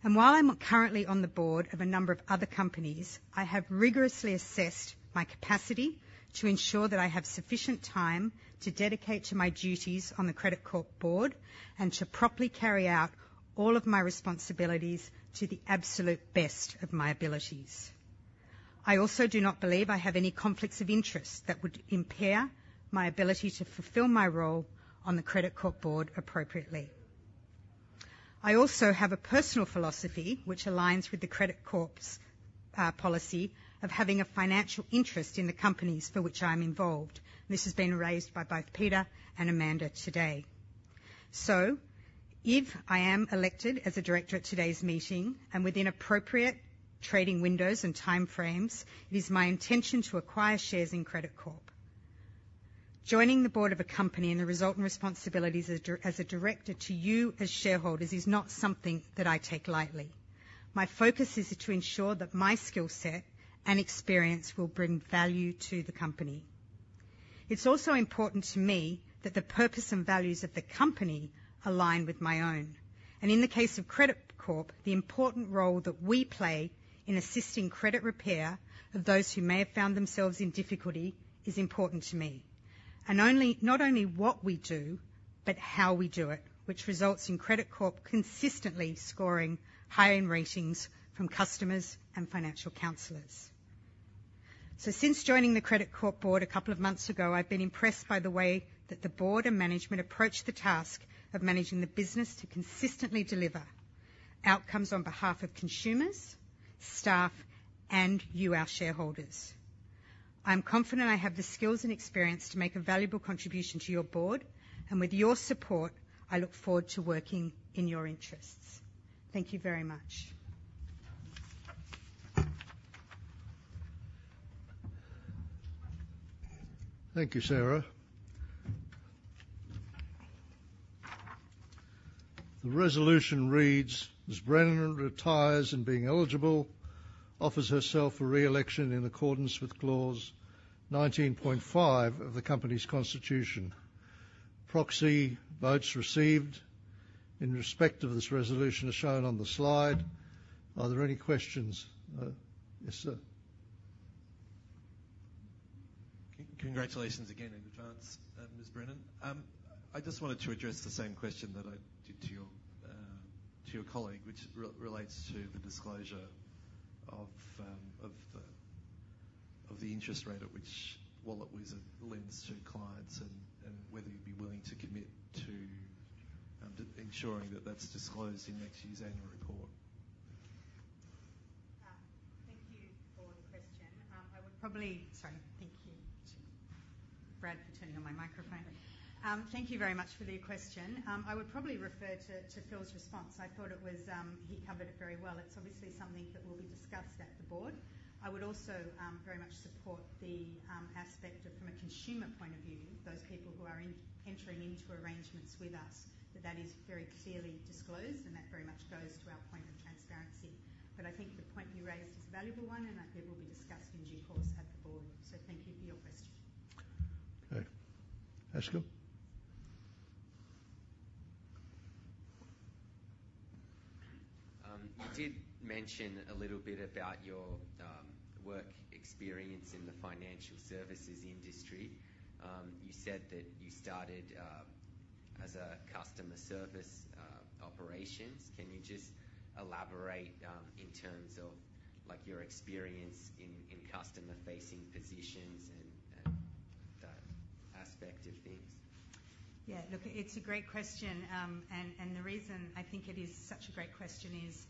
And while I'm currently on the board of a number of other companies, I have rigorously assessed my capacity to ensure that I have sufficient time to dedicate to my duties on the Credit Corp board and to properly carry out all of my responsibilities to the absolute best of my abilities. I also do not believe I have any conflicts of interest that would impair my ability to fulfill my role on the Credit Corp board appropriately. I also have a personal philosophy, which aligns with the Credit Corp's policy of having a financial interest in the companies for which I'm involved. This has been raised by both Peter and Amanda today. So if I am elected as a director at today's meeting and within appropriate trading windows and time frames, it is my intention to acquire shares in Credit Corp. Joining the board of a company and the resultant responsibilities as a director to you as shareholders is not something that I take lightly. My focus is to ensure that my skill set and experience will bring value to the company. It's also important to me that the purpose and values of the company align with my own. And in the case of Credit Corp, the important role that we play in assisting credit repair of those who may have found themselves in difficulty is important to me. And only, not only what we do, but how we do it, which results in Credit Corp consistently scoring high in ratings from customers and financial counselors. So since joining the Credit Corp board a couple of months ago, I've been impressed by the way that the board and management approach the task of managing the business to consistently deliver outcomes on behalf of consumers, staff, and you, our shareholders. I'm confident I have the skills and experience to make a valuable contribution to your board, and with your support, I look forward to working in your interests. Thank you very much. Thank you, Sarah. The resolution reads: Ms. Brennan retires and, being eligible, offers herself for re-election in accordance with Clause 19.5 of the company's constitution. Proxy votes received in respect of this resolution are shown on the slide. Are there any questions? Yes, sir. Congratulations again in advance, Ms. Brennan. I just wanted to address the same question that I did to your colleague, which relates to the disclosure of the interest rate at which Wallet Wizard lends to clients and whether you'd be willing to commit to ensuring that that's disclosed in next year's annual report. Thank you for the question. Thank you to Brad for turning on my microphone. Thank you very much for the question. I would probably refer to Phil's response. I thought it was he covered it very well. It's obviously something that will be discussed at the board. I would also very much support the aspect of, from a consumer point of view, those people who are entering into arrangements with us, that that is very clearly disclosed, and that very much goes to our point of transparency. But I think the point you raised is a valuable one, and I think it will be discussed in due course at the board. So thank you for your question. Okay. Ashkan? You did mention a little bit about your work experience in the financial services industry. You said that you started as a customer service operations. Can you just elaborate in terms of, like, your experience in customer-facing positions and that aspect of things? Yeah, look, it's a great question. And the reason I think it is such a great question is,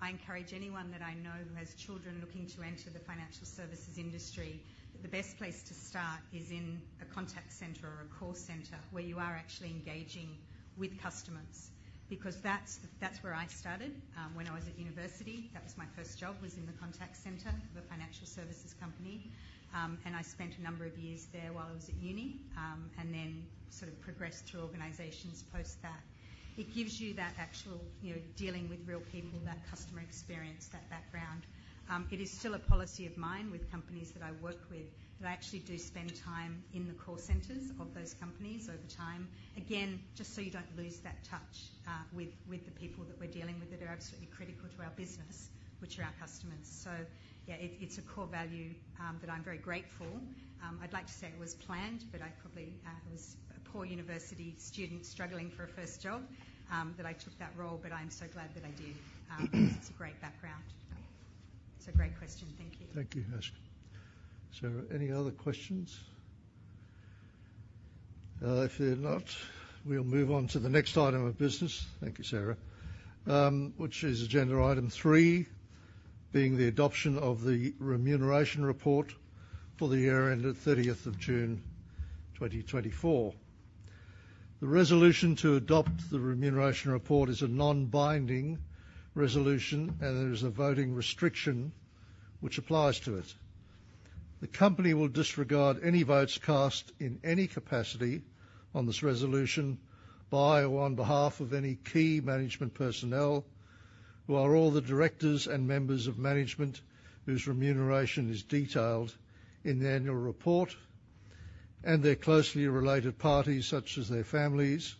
I encourage anyone that I know who has children looking to enter the financial services industry, that the best place to start is in a contact center or a call center, where you are actually engaging with customers, because that's where I started. When I was at university, that was my first job, was in the contact center of a financial services company. And I spent a number of years there while I was at uni, and then sort of progressed to organizations post that. It gives you that actual, you know, dealing with real people, that customer experience, that background. It is still a policy of mine with companies that I work with, that I actually do spend time in the call centers of those companies over time. Again, just so you don't lose that touch, with the people that we're dealing with, that are absolutely critical to our business, which are our customers. So yeah, it's a core value that I'm very grateful. I'd like to say it was planned, but I probably was a poor university student struggling for a first job that I took that role, but I'm so glad that I did, because it's a great background. It's a great question. Thank you. Thank you, Ashkan. So any other questions? If there are not, we'll move on to the next item of business. Thank you, Sarah. Which is agenda item three, being the adoption of the Remuneration Report for the year ended thirtieth of June, 2024. The resolution to adopt the Remuneration Report is a non-binding resolution, and there is a voting restriction which applies to it. The company will disregard any votes cast in any capacity on this resolution by or on behalf of any Key Management Personnel, who are all the directors and members of management whose remuneration is detailed in the annual report, and their closely related parties, such as their families.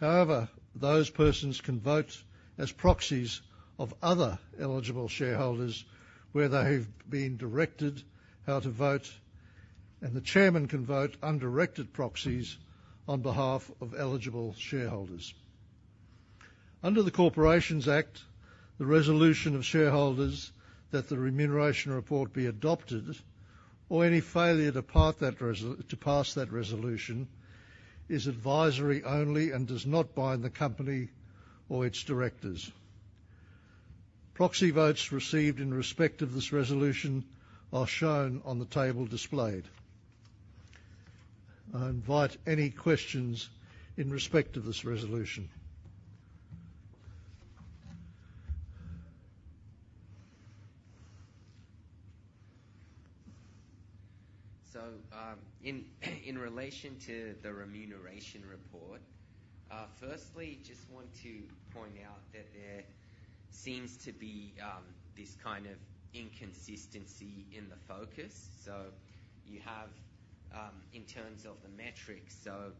However, those persons can vote as proxies of other eligible shareholders, where they have been directed how to vote, and the chairman can vote undirected proxies on behalf of eligible shareholders. Under the Corporations Act, the resolution of shareholders that the Remuneration Report be adopted or any failure to pass that resolution is advisory only and does not bind the company or its directors. Proxy votes received in respect to this resolution are shown on the table displayed. I invite any questions in respect to this resolution. In relation to the Remuneration Report, firstly, just want to point out that there seems to be this kind of inconsistency in the focus. You have, in terms of the metrics, so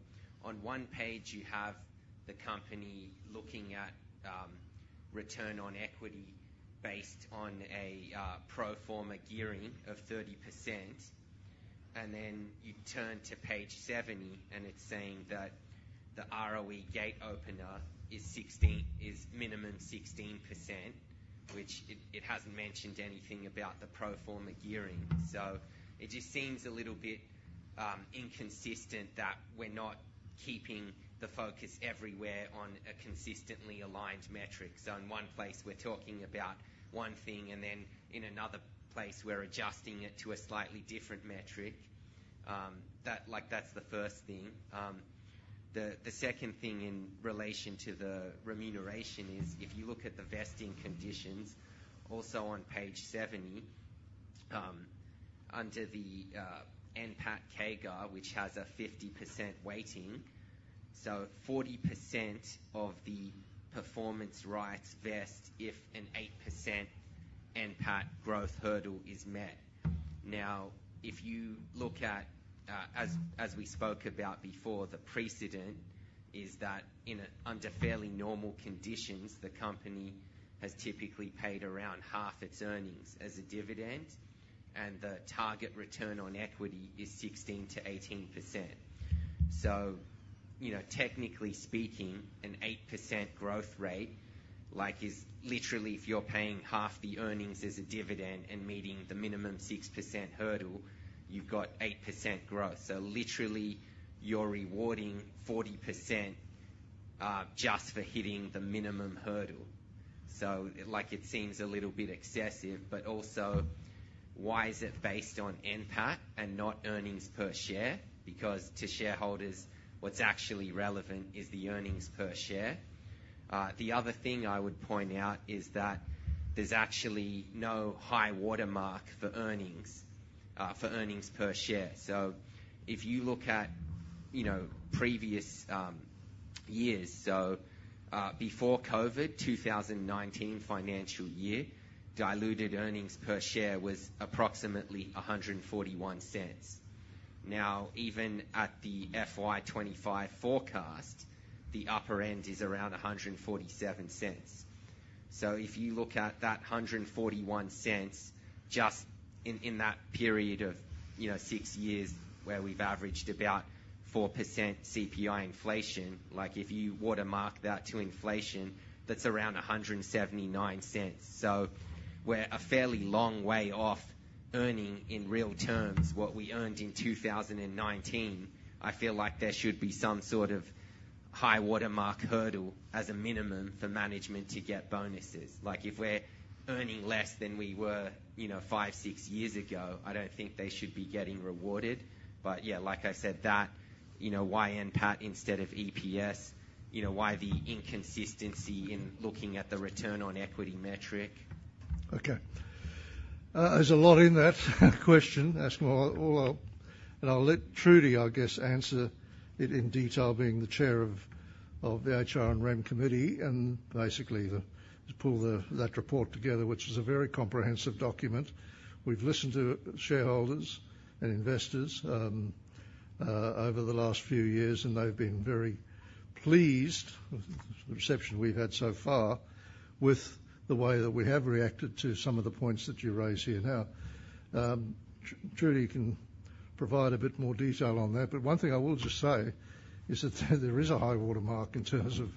on one page you have the company looking at return on equity based on a pro forma gearing of 30%, and then you turn to page 70 and it's saying that the ROE gate opener is minimum 16%, which it hasn't mentioned anything about the pro forma gearing. It just seems a little bit inconsistent that we're not keeping the focus everywhere on a consistently aligned metric. In one place we're talking about one thing, and then in another place we're adjusting it to a slightly different metric. Like that's the first thing. The second thing in relation to the remuneration is, if you look at the vesting conditions, also on page 70, under the NPAT CAGR, which has a 50% weighting, so 40% of the performance rights vest if an 8% NPAT growth hurdle is met. Now, as we spoke about before, the precedent is that under fairly normal conditions, the company has typically paid around half its earnings as a dividend, and the target return on equity is 16%-18%. So, you know, technically speaking, an 8% growth rate, like is literally, if you're paying half the earnings as a dividend and meeting the minimum 6% hurdle, you've got 8% growth. So literally, you're rewarding 40%, just for hitting the minimum hurdle. So, like, it seems a little bit excessive, but also, why is it based on NPAT and not earnings per share? Because to shareholders, what's actually relevant is the earnings per share. The other thing I would point out is that there's actually no high watermark for earnings, for earnings per share. So if you look at, you know, previous years, before COVID, 2019 financial year, diluted earnings per share was approximately 1.41. Now, even at the FY 2025 forecast, the upper end is around 1.47. So if you look at that 1.41, just in that period of, you know, six years, where we've averaged about 4% CPI inflation, like, if you watermark that to inflation, that's around 1.79. So we're a fairly long way off earning, in real terms, what we earned in 2019. I feel like there should be some sort of high watermark hurdle as a minimum for management to get bonuses. Like, if we're earning less than we were, you know, five, six years ago, I don't think they should be getting rewarded. But yeah, like I said, that, you know, why NPAT instead of EPS? You know, why the inconsistency in looking at the return on equity metric? Okay. There's a lot in that question, asking a lot, well. And I'll let Trudy, I guess, answer it in detail, being the Chair of the HR and Remuneration Committee, and basically, who pulls that report together, which is a very comprehensive document. We've listened to shareholders and investors over the last few years, and they've been very pleased with the reception we've had so far, with the way that we have reacted to some of the points that you raised here. Now, Trudy can provide a bit more detail on that, but one thing I will just say is that there is a high watermark in terms of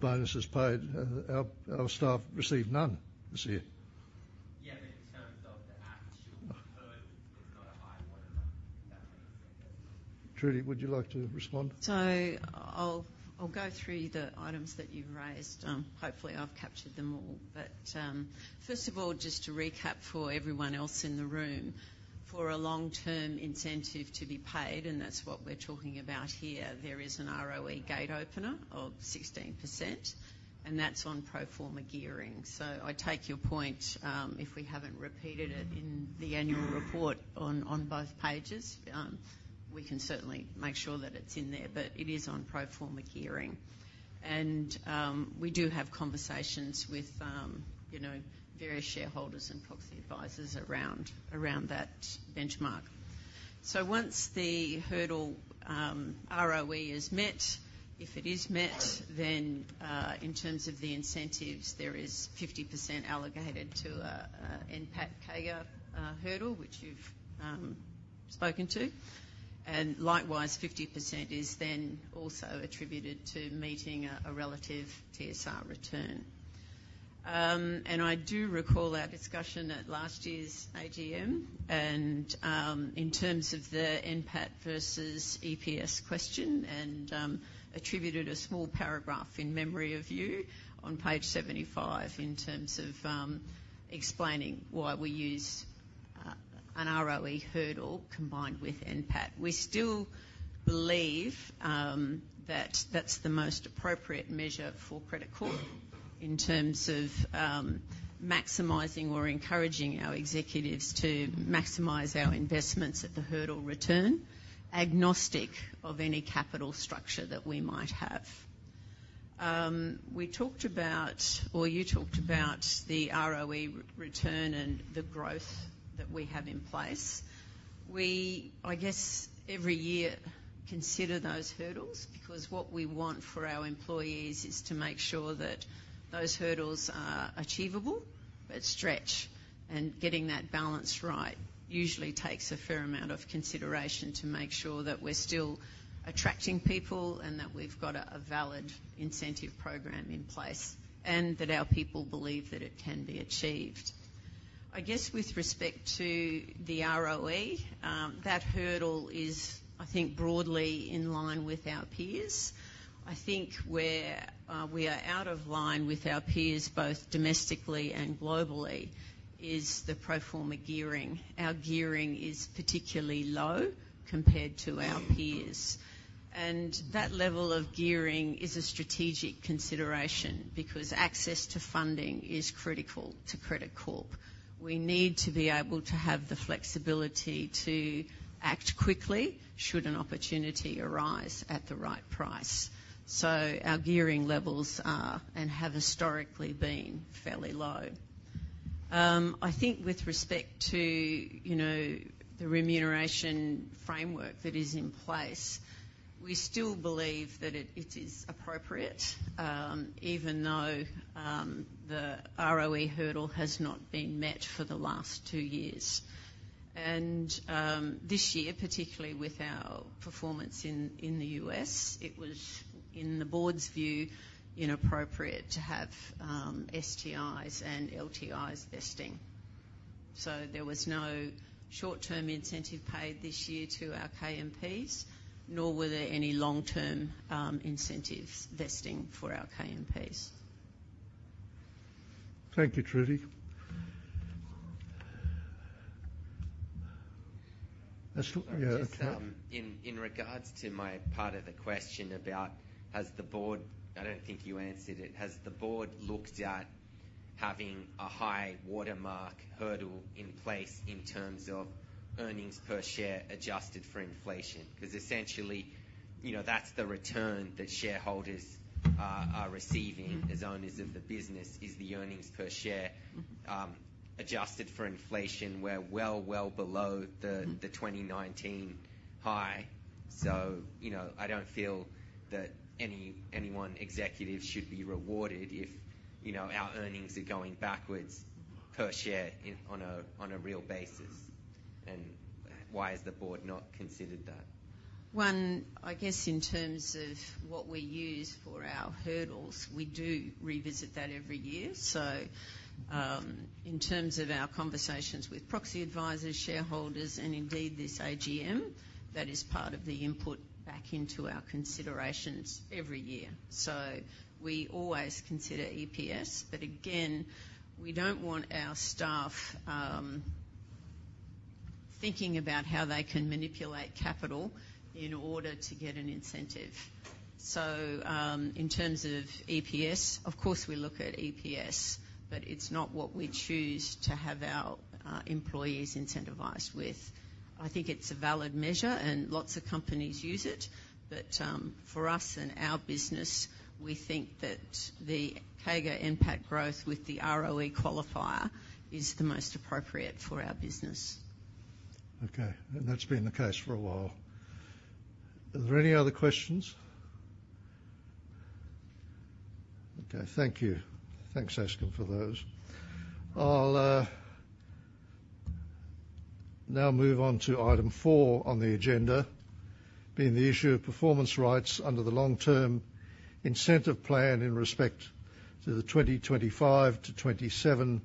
bonuses paid, and our staff received none this year. Yeah, but in terms of the actual hurdle, it's not a high watermark. Trudy, would you like to respond? So I'll go through the items that you've raised. Hopefully, I've captured them all. But first of all, just to recap for everyone else in the room, for a long-term incentive to be paid, and that's what we're talking about here, there is an ROE gate opener of 16%, and that's on pro forma gearing. So I take your point, if we haven't repeated it in the annual report on both pages, we can certainly make sure that it's in there, but it is on pro forma gearing. And we do have conversations with you know, various shareholders and proxy advisors around that benchmark. Once the hurdle ROE is met, if it is met, then in terms of the incentives, there is 50% allocated to a NPAT hurdle, which you've spoken to, and likewise, 50% is then also attributed to meeting a relative TSR return. I do recall our discussion at last year's AGM, and in terms of the NPAT versus EPS question, and attributed a small paragraph in response to you on page 75 in terms of explaining why we use an ROE hurdle combined with NPAT. We still believe that that's the most appropriate measure for Credit Corp in terms of maximizing or encouraging our executives to maximize our investments at the hurdle return, agnostic of any capital structure that we might have. We talked about, or you talked about the ROE return and the growth that we have in place. We, I guess, every year, consider those hurdles, because what we want for our employees is to make sure that those hurdles are achievable, but stretch. And getting that balance right usually takes a fair amount of consideration to make sure that we're still attracting people and that we've got a valid incentive program in place, and that our people believe that it can be achieved. I guess, with respect to the ROE, that hurdle is, I think, broadly in line with our peers. I think where we are out of line with our peers, both domestically and globally, is the pro forma gearing. Our gearing is particularly low compared to our peers, and that level of gearing is a strategic consideration because access to funding is critical to Credit Corp. We need to be able to have the flexibility to act quickly should an opportunity arise at the right price. So our gearing levels are, and have historically been, fairly low... I think with respect to, you know, the remuneration framework that is in place, we still believe that it is appropriate, even though the ROE hurdle has not been met for the last two years. This year, particularly with our performance in the U.S., it was, in the board's view, inappropriate to have STIs and LTIs vesting. So there was no short-term incentive paid this year to our KMPs, nor were there any long-term incentives vesting for our KMPs. Thank you, Trudy. Ashkan, yeah- Just, in regards to my part of the question about has the board. I don't think you answered it. Has the board looked at having a high-water mark hurdle in place in terms of earnings per share, adjusted for inflation? Because essentially, you know, that's the return that shareholders are receiving as owners of the business, is the earnings per share, adjusted for inflation. We're well below the- Mm-hmm. the 2019 high. So, you know, I don't feel that any one executive should be rewarded if, you know, our earnings are going backwards per share on a real basis. And why has the board not considered that? One, I guess in terms of what we use for our hurdles, we do revisit that every year. So, in terms of our conversations with proxy advisors, shareholders, and indeed this AGM, that is part of the input back into our considerations every year. So we always consider EPS, but again, we don't want our staff, thinking about how they can manipulate capital in order to get an incentive. So, in terms of EPS, of course, we look at EPS, but it's not what we choose to have our, employees incentivized with. I think it's a valid measure, and lots of companies use it, but, for us and our business, we think that the CAGR NPAT growth with the ROE qualifier is the most appropriate for our business. Okay, and that's been the case for a while. Are there any other questions? Okay, thank you. Thanks, Ashkan, for those. I'll now move on to item four on the agenda, being the issue of performance rights under the Long-Term Incentive Plan in respect to the twenty twenty-five to twenty twenty-seven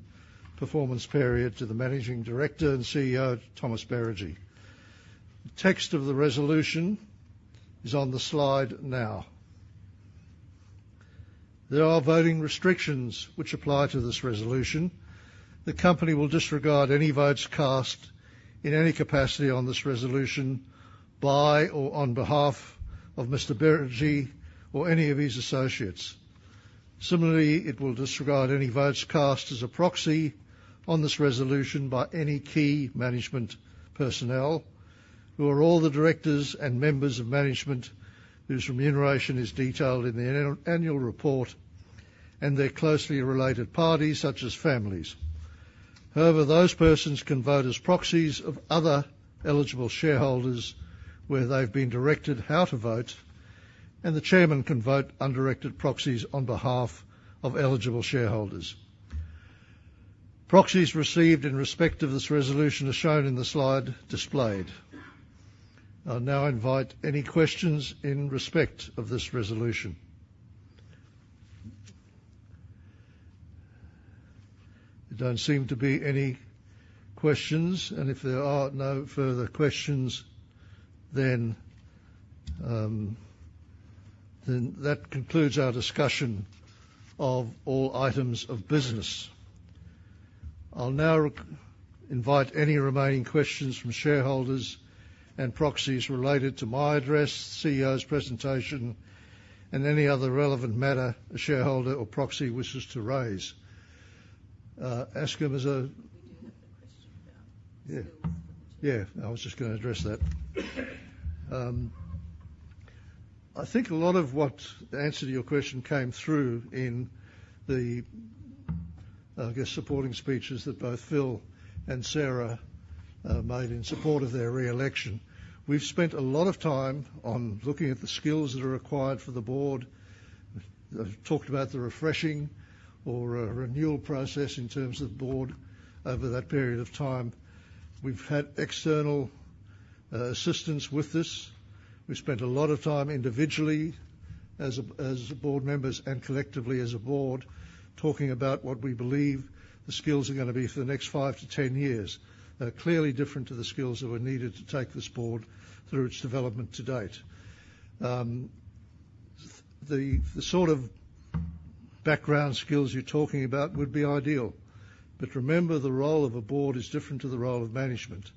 performance period to the Managing Director and CEO, Thomas Beregi. The text of the resolution is on the slide now. There are voting restrictions which apply to this resolution. The company will disregard any votes cast in any capacity on this resolution by or on behalf of Mr. Beregi or any of his associates. Similarly, it will disregard any votes cast as a proxy on this resolution by any Key Management Personnel, who are all the directors and members of management whose remuneration is detailed in the annual report, and their closely related parties, such as families. However, those persons can vote as proxies of other eligible shareholders, where they've been directed how to vote, and the chairman can vote undirected proxies on behalf of eligible shareholders. Proxies received in respect of this resolution are shown in the slide displayed. I'll now invite any questions in respect of this resolution. There don't seem to be any questions, and if there are no further questions, then, then that concludes our discussion of all items of business. I'll now reinvite any remaining questions from shareholders and proxies related to my address, CEO's presentation, and any other relevant matter the shareholder or proxy wishes to raise. Ashkan, as a- We do have a question about- Yeah. Skills. Yeah, I was just going to address that. I think a lot of what the answer to your question came through in the, I guess, supporting speeches that both Phil and Sarah made in support of their re-election. We've spent a lot of time on looking at the skills that are required for the board. I've talked about the refreshing or renewal process in terms of the board over that period of time. We've had external assistance with this. We spent a lot of time individually as board members and collectively as a board, talking about what we believe the skills are gonna be for the next five to ten years. They're clearly different to the skills that were needed to take this board through its development to date. The sort of background skills you're talking about would be ideal, but remember, the role of a board is different to the role of management,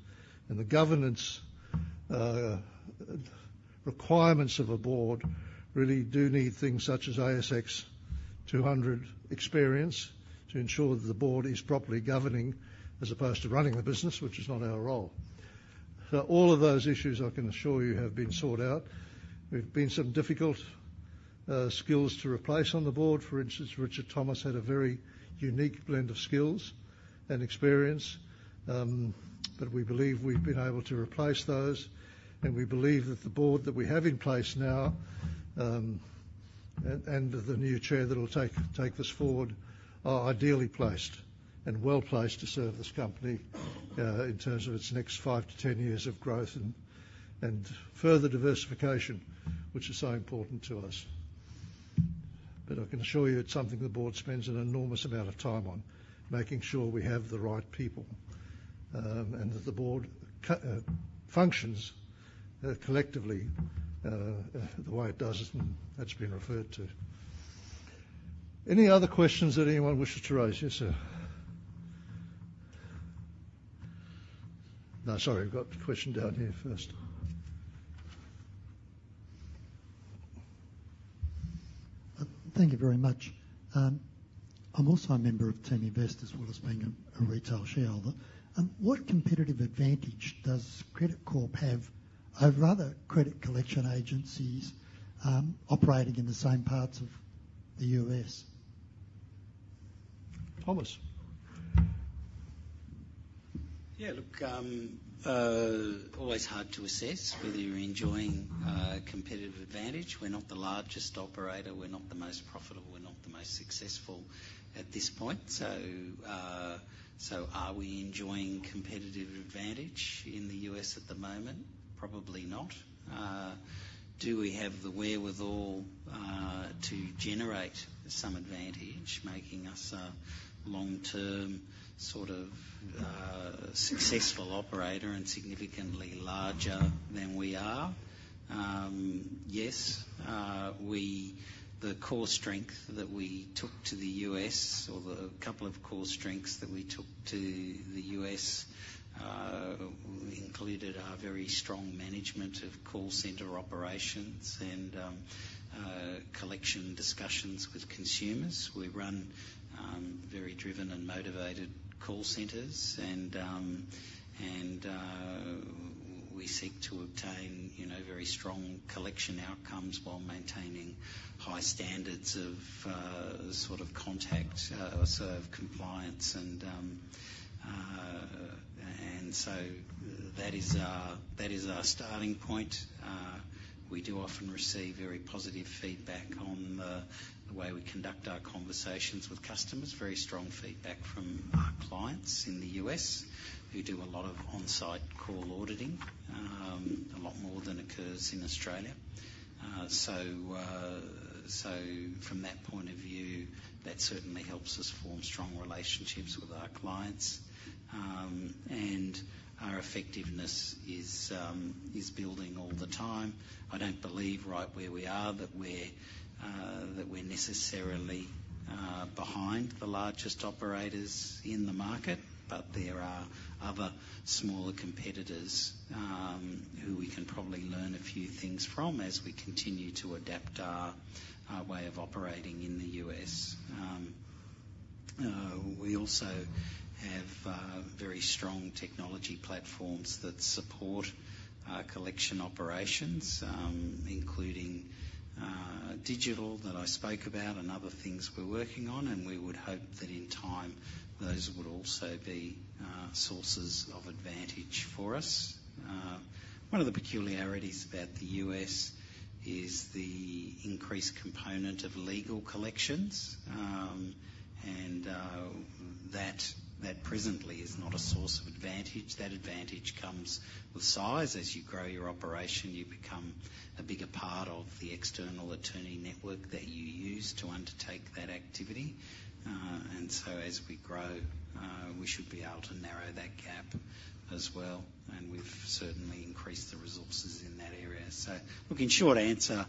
and the governance requirements of a board really do need things such as ASX 200 experience to ensure that the board is properly governing, as opposed to running the business, which is not our role. So all of those issues, I can assure you, have been sought out. There've been some difficult skills to replace on the board. For instance, Richard Thomas had a very unique blend of skills and experience. But we believe we've been able to replace those, and we believe that the board that we have in place now, and the new chair that will take this forward, are ideally placed and well placed to serve this company, in terms of its next five to ten years of growth and further diversification, which is so important to us. But I can assure you it's something the board spends an enormous amount of time on, making sure we have the right people, and that the board functions collectively, the way it does, and that's been referred to. Any other questions that anyone wishes to raise? Yes, sir. No, sorry, I've got a question down here first. Thank you very much. I'm also a member of Teaminvest as well as being a retail shareholder. What competitive advantage does Credit Corp have over other credit collection agencies, operating in the same parts of the U.S.? Thomas? Yeah, look, always hard to assess whether you're enjoying competitive advantage. We're not the largest operator, we're not the most profitable, we're not the most successful at this point. So, are we enjoying competitive advantage in the U.S. at the moment? Probably not. Do we have the wherewithal to generate some advantage, making us a long-term, sort of, successful operator and significantly larger than we are? Yes. We, the core strength that we took to the U.S., or the couple of core strengths that we took to the U.S., included our very strong management of call center operations and collection discussions with consumers. We run very driven and motivated call centers, and we seek to obtain, you know, very strong collection outcomes while maintaining high standards of sort of contact, sort of compliance, and so that is our starting point. We do often receive very positive feedback on the way we conduct our conversations with customers. Very strong feedback from our clients in the U.S., who do a lot of on-site call auditing, a lot more than occurs in Australia. From that point of view, that certainly helps us form strong relationships with our clients. Our effectiveness is building all the time. I don't believe, right where we are, that we're necessarily behind the largest operators in the market. But there are other smaller competitors, who we can probably learn a few things from as we continue to adapt our way of operating in the U.S. We also have very strong technology platforms that support our collection operations, including digital, that I spoke about, and other things we're working on, and we would hope that in time, those would also be sources of advantage for us. One of the peculiarities about the U.S. is the increased component of legal collections. And that presently is not a source of advantage. That advantage comes with size. As you grow your operation, you become a bigger part of the external attorney network that you use to undertake that activity. And so as we grow, we should be able to narrow that gap as well, and we've certainly increased the resources in that area. So look, in short answer,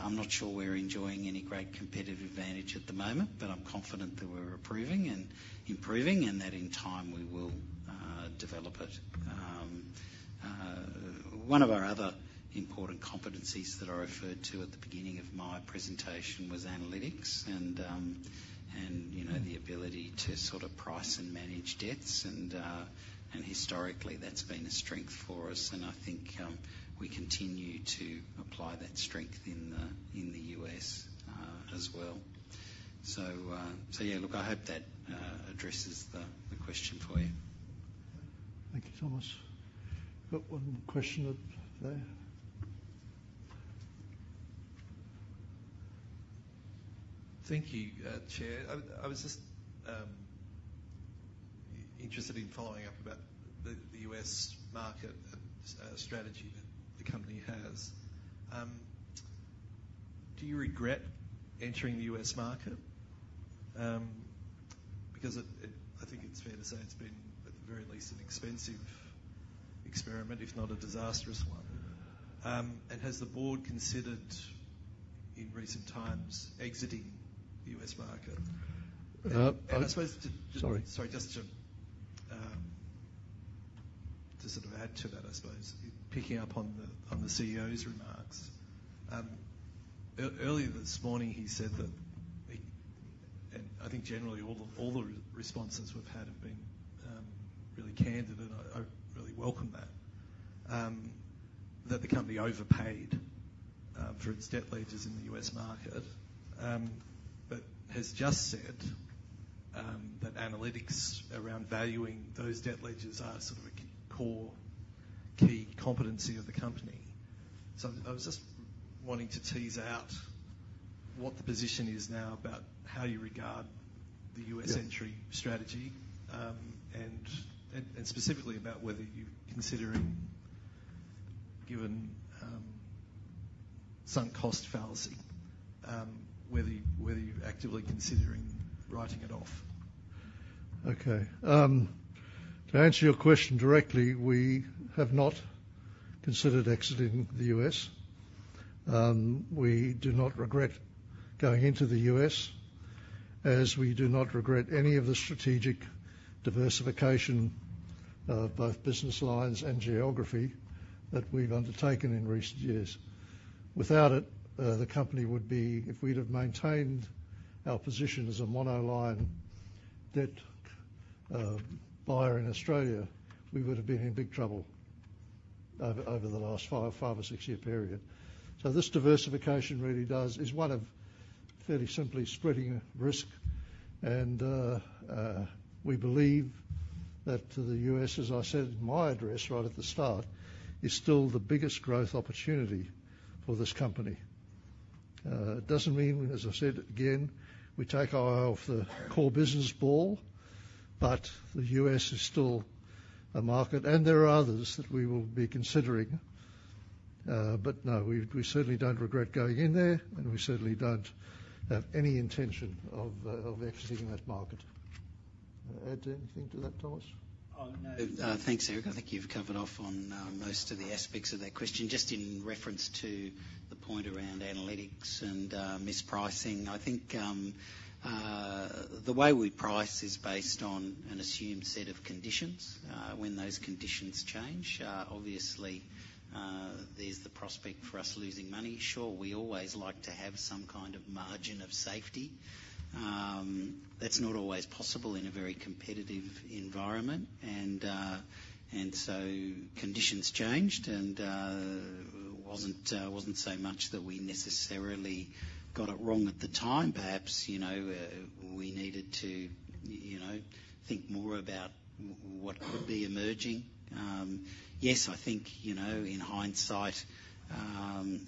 I'm not sure we're enjoying any great competitive advantage at the moment, but I'm confident that we're improving and improving, and that in time we will develop it. One of our other important competencies that I referred to at the beginning of my presentation was analytics, and you know, the ability to sort of price and manage debts, and historically, that's been a strength for us, and I think we continue to apply that strength in the U.S. as well. So yeah. Look, I hope that addresses the question for you. Thank you, Thomas. Got one more question up there. Thank you, Chair. I was just interested in following up about the U.S. market strategy that the company has. Do you regret entering the U.S. market? Because it, I think it's fair to say it's been, at the very least, an expensive experiment, if not a disastrous one. And has the board considered, in recent times, exiting the U.S. market? Uh, I- I suppose to, just. Sorry. Sorry, just to, to sort of add to that, I suppose, picking up on the, on the CEO's remarks. Earlier this morning, he said that he... And I think generally, all the responses we've had have been really candid, and I really welcome that. That the company overpaid for its debt ledgers in the U.S. market, but has just said that analytics around valuing those debt ledgers are sort of a core, key competency of the company. So I was just wanting to tease out what the position is now about how you regard the U.S.- Yeah Entry strategy, and specifically, about whether you're considering, given some sunk cost fallacy, whether you're actively considering writing it off? Okay. To answer your question directly, we have not considered exiting the U.S. We do not regret going into the U.S., as we do not regret any of the strategic diversification of both business lines and geography that we've undertaken in recent years. Without it, the company would be, if we'd have maintained our position as a monoline debt buyer in Australia, we would have been in big trouble over the last five or six-year period. So this diversification really does, is one of fairly simply spreading risk, and we believe that the U.S., as I said in my address right at the start, is still the biggest growth opportunity for this company. It doesn't mean, as I've said, again, we take our eye off the core business ball, but the U.S. is still a market, and there are others that we will be considering. But no, we, we certainly don't regret going in there, and we certainly don't have any intention of exiting that market. Add anything to that, Thomas? Oh, no. Thanks, Eric. I think you've covered off on most of the aspects of that question. Just in reference to the point around analytics and mispricing, I think the way we price is based on an assumed set of conditions. When those conditions change, obviously, there's the prospect for us losing money. Sure, we always like to have some kind of margin of safety. That's not always possible in a very competitive environment. And so conditions changed, and it wasn't so much that we necessarily got it wrong at the time. Perhaps, you know, we needed to, you know, think more about what could be emerging. Yes, I think, you know, in hindsight,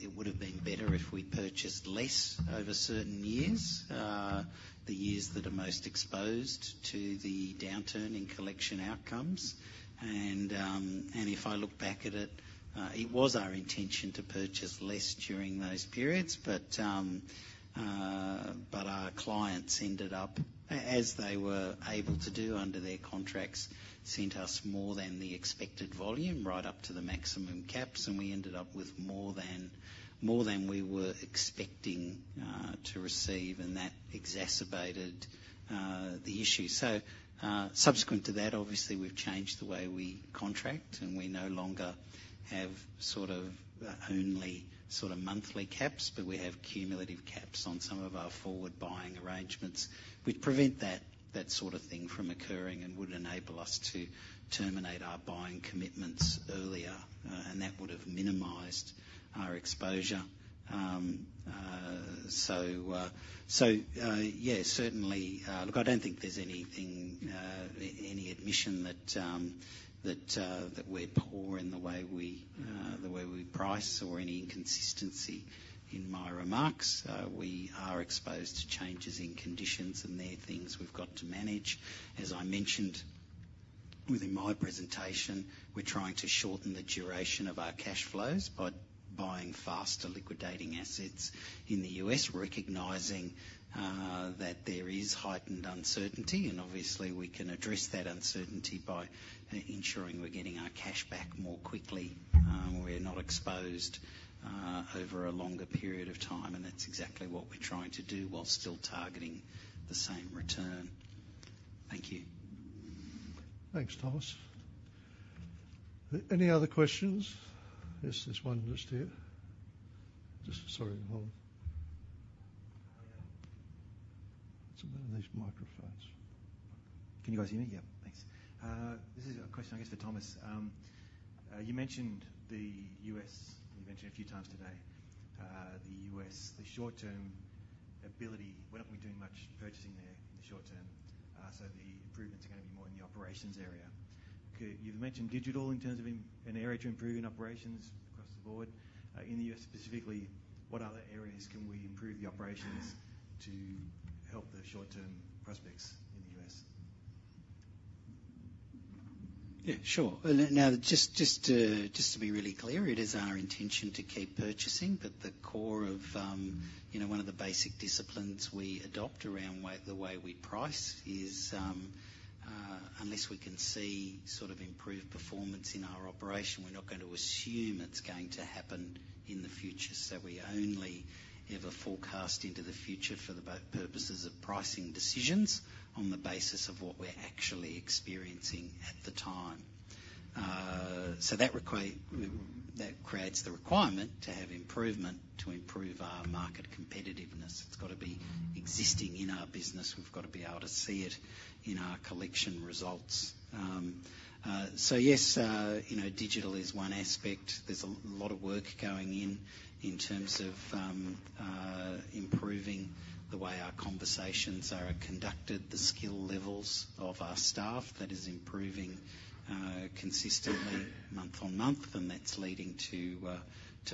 it would have been better if we'd purchased less over certain years, the years that are most exposed to the downturn in collection outcomes, and if I look back at it, it was our intention to purchase less during those periods, but our clients ended up, as they were able to do under their contracts, sent us more than the expected volume, right up to the maximum caps, and we ended up with more than we were expecting to receive, and that exacerbated the issue. So, subsequent to that, obviously, we've changed the way we contract, and we no longer have sort of, only sort of monthly caps, but we have cumulative caps on some of our forward buying arrangements, which prevent that sort of thing from occurring and would enable us to terminate our buying commitments earlier. And that would have minimized our exposure. So, yeah, certainly... Look, I don't think there's anything, any admission that we're poor in the way we price or any inconsistency in my remarks. We are exposed to changes in conditions, and they're things we've got to manage. As I mentioned within my presentation, we're trying to shorten the duration of our cash flows by buying faster liquidating assets in the U.S., recognizing that there is heightened uncertainty, and obviously, we can address that uncertainty by ensuring we're getting our cash back more quickly. We're not exposed over a longer period of time, and that's exactly what we're trying to do while still targeting the same return. Thank you. Thanks, Thomas. Any other questions? Yes, there's one just here. Just sorry, hold on. What's the matter with these microphones? Can you guys hear me? Yeah, thanks. This is a question, I guess, for Thomas. You mentioned the U.S., you mentioned a few times today, the U.S., the short-term ability. We're not going to be doing much purchasing there in the short term, so the improvements are gonna be more in the operations area. Okay, you've mentioned digital in terms of an area to improve in operations across the board. In the U.S. specifically, what other areas can we improve the operations to help the short-term prospects in the U.S.? Yeah, sure. Now, just to be really clear, it is our intention to keep purchasing, but the core of, you know, one of the basic disciplines we adopt around the way we price is, unless we can see sort of improved performance in our operation, we're not going to assume it's going to happen in the future. So we only ever forecast into the future for the purposes of pricing decisions on the basis of what we're actually experiencing at the time. So that creates the requirement to have improvement to improve our market competitiveness. It's got to be existing in our business. We've got to be able to see it in our collection results. So yes, you know, digital is one aspect. There's a lot of work going in, in terms of, improving the way our conversations are conducted, the skill levels of our staff. That is improving, consistently month on month, and that's leading to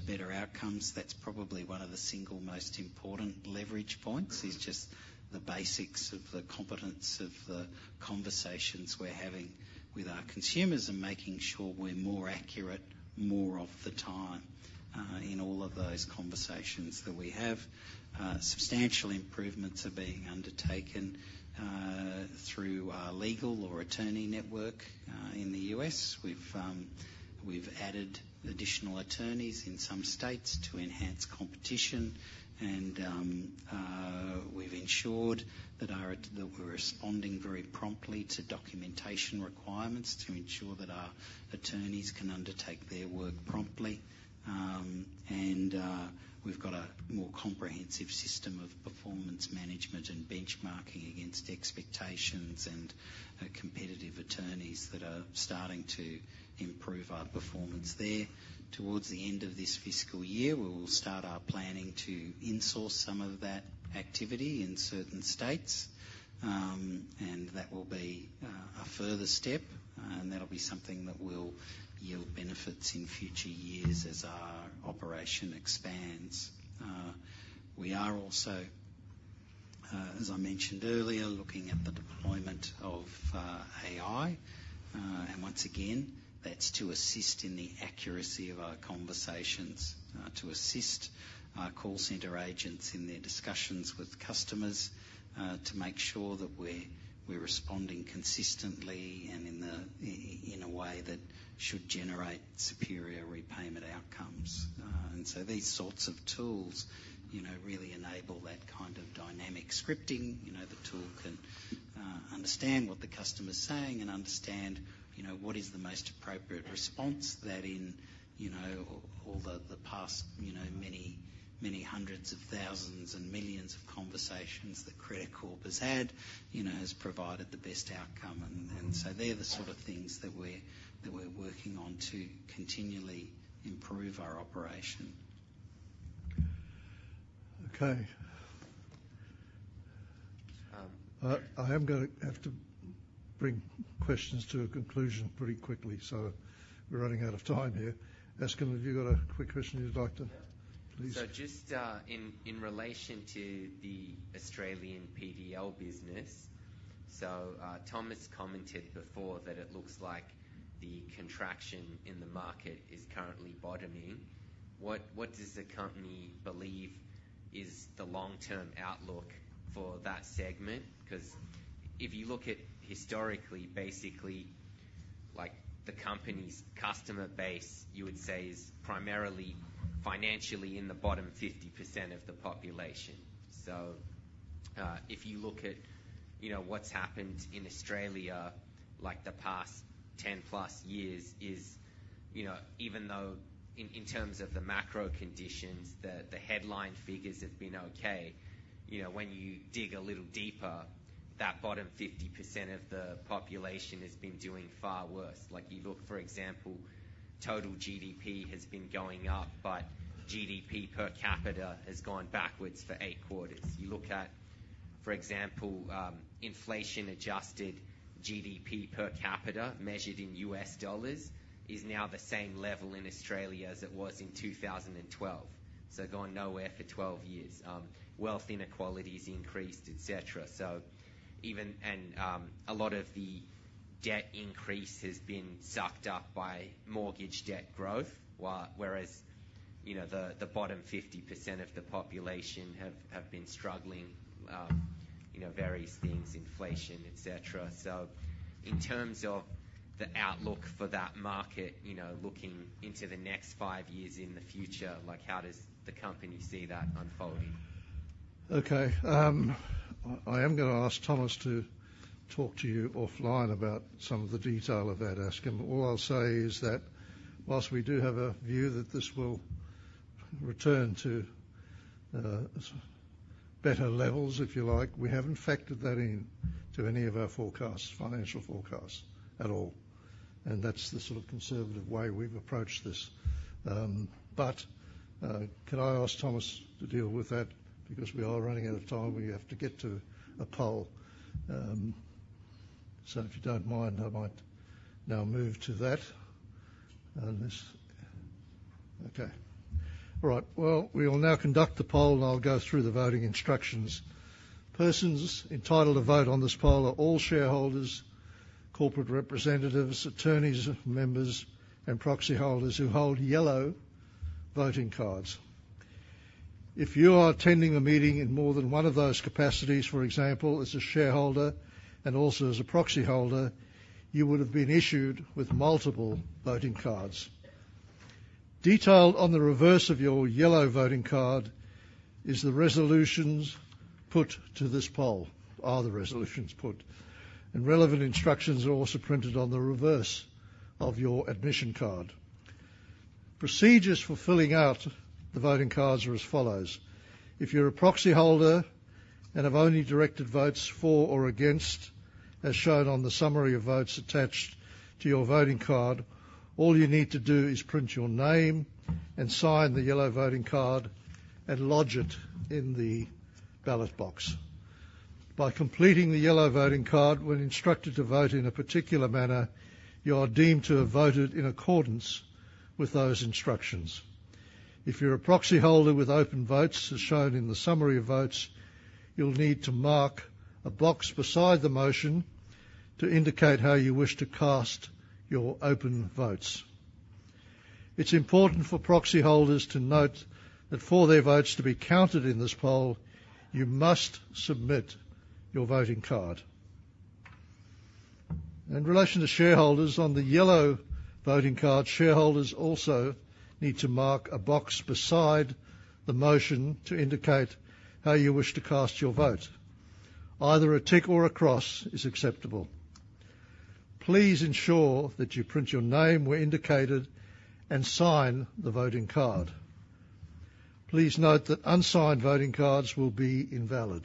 better outcomes. That's probably one of the single most important leverage points, is just the basics of the competence of the conversations we're having with our consumers, and making sure we're more accurate more of the time, in all of those conversations that we have. Substantial improvements are being undertaken, through our legal or attorney network. In the U.S., we've added additional attorneys in some states to enhance competition, and, we've ensured that we're responding very promptly to documentation requirements to ensure that our attorneys can undertake their work promptly. We've got a more comprehensive system of performance management and benchmarking against expectations and competitive attorneys that are starting to improve our performance there. Towards the end of this fiscal year, we will start our planning to in-source some of that activity in certain states. That will be a further step, and that'll be something that will yield benefits in future years as our operation expands. We are also, as I mentioned earlier, looking at the deployment of AI, and once again, that's to assist in the accuracy of our conversations, to assist our call center agents in their discussions with customers, to make sure that we're responding consistently and in a way that should generate superior repayment outcomes. These sorts of tools, you know, really enable that kind of dynamic scripting. You know, the tool can understand what the customer is saying and understand, you know, what is the most appropriate response that in all the past, you know, many hundreds of thousands and millions of conversations that Credit Corp has had, you know, has provided the best outcome. They're the sort of things that we're working on to continually improve our operation. Okay. I am gonna have to bring questions to a conclusion pretty quickly, so we're running out of time here. Ashkan, have you got a quick question you'd like to- Yeah. Please. Just in relation to the Australian PDL business, Thomas commented before that it looks like the contraction in the market is currently bottoming. What does the company believe is the long-term outlook for that segment? 'Cause if you look at historically, basically, like, the company's customer base, you would say, is primarily financially in the bottom 50% of the population. So if you look at, you know, what's happened in Australia, like, the past 10+ years is, you know, even though in terms of the macro conditions, the headline figures have been okay. You know, when you dig a little deeper, that bottom 50% of the population has been doing far worse. Like, you look, for example, total GDP has been going up, but GDP per capita has gone backwards for eight quarters. You look at, for example, inflation-adjusted GDP per capita, measured in U.S. dollars, is now the same level in Australia as it was in two thousand and twelve. So gone nowhere for 12 years. Wealth inequality has increased, et cetera. So even... And, a lot of the debt increase has been sucked up by mortgage debt growth, whereas, you know, the bottom 50% of the population have been struggling, you know, various things, inflation, et cetera. So in terms of the outlook for that market, you know, looking into the next five years in the future, like, how does the company see that unfolding? Okay, I am gonna ask Thomas to talk to you offline about some of the detail of that, Ashkan. But all I'll say is that whilst we do have a view that this will return to better levels, if you like, we haven't factored that into any of our forecasts, financial forecasts at all. And that's the sort of conservative way we've approached this. But can I ask Thomas to deal with that? Because we are running out of time. We have to get to a poll. So if you don't mind, I might now move to that. Okay. All right. Well, we will now conduct the poll, and I'll go through the voting instructions. Persons entitled to vote on this poll are all shareholders, corporate representatives, attorneys, members, and proxyholders who hold yellow voting cards. If you are attending the meeting in more than one of those capacities, for example, as a shareholder and also as a proxyholder, you would have been issued with multiple voting cards. Detailed on the reverse of your yellow voting card are the resolutions put to this poll, and relevant instructions are also printed on the reverse of your admission card. Procedures for filling out the voting cards are as follows: If you're a proxy holder and have only directed votes for or against, as shown on the summary of votes attached to your voting card, all you need to do is print your name and sign the yellow voting card and lodge it in the ballot box. By completing the yellow voting card when instructed to vote in a particular manner, you are deemed to have voted in accordance with those instructions. If you're a proxy holder with open votes, as shown in the summary of votes, you'll need to mark a box beside the motion to indicate how you wish to cast your open votes. It's important for proxy holders to note that for their votes to be counted in this poll, you must submit your voting card. In relation to shareholders, on the yellow voting card, shareholders also need to mark a box beside the motion to indicate how you wish to cast your vote. Either a tick or a cross is acceptable. Please ensure that you print your name where indicated, and sign the voting card. Please note that unsigned voting cards will be invalid,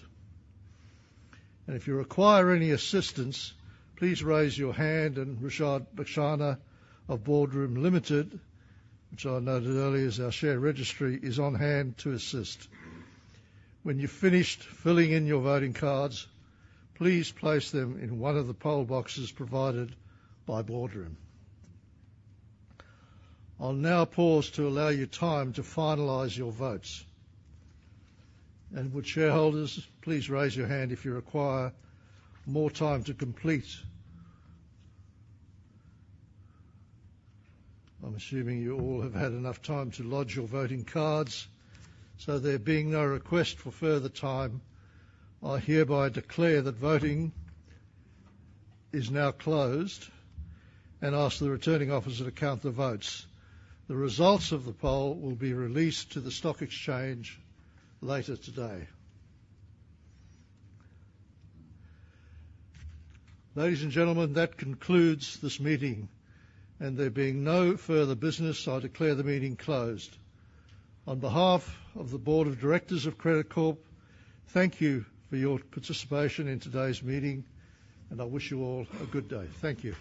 and if you require any assistance, please raise your hand, and Rushad Bhesania of Boardroom Limited, which I noted earlier as our share registry, is on hand to assist. When you've finished filling in your voting cards, please place them in one of the poll boxes provided by Boardroom. I'll now pause to allow you time to finalize your votes. And would shareholders please raise your hand if you require more time to complete? I'm assuming you all have had enough time to lodge your voting cards. So there being no request for further time, I hereby declare that voting is now closed and ask the returning officer to count the votes. The results of the poll will be released to the Stock Exchange later today. Ladies and gentlemen, that concludes this meeting. And there being no further business, I declare the meeting closed. On behalf of the Board of Directors of Credit Corp, thank you for your participation in today's meeting, and I wish you all a good day. Thank you.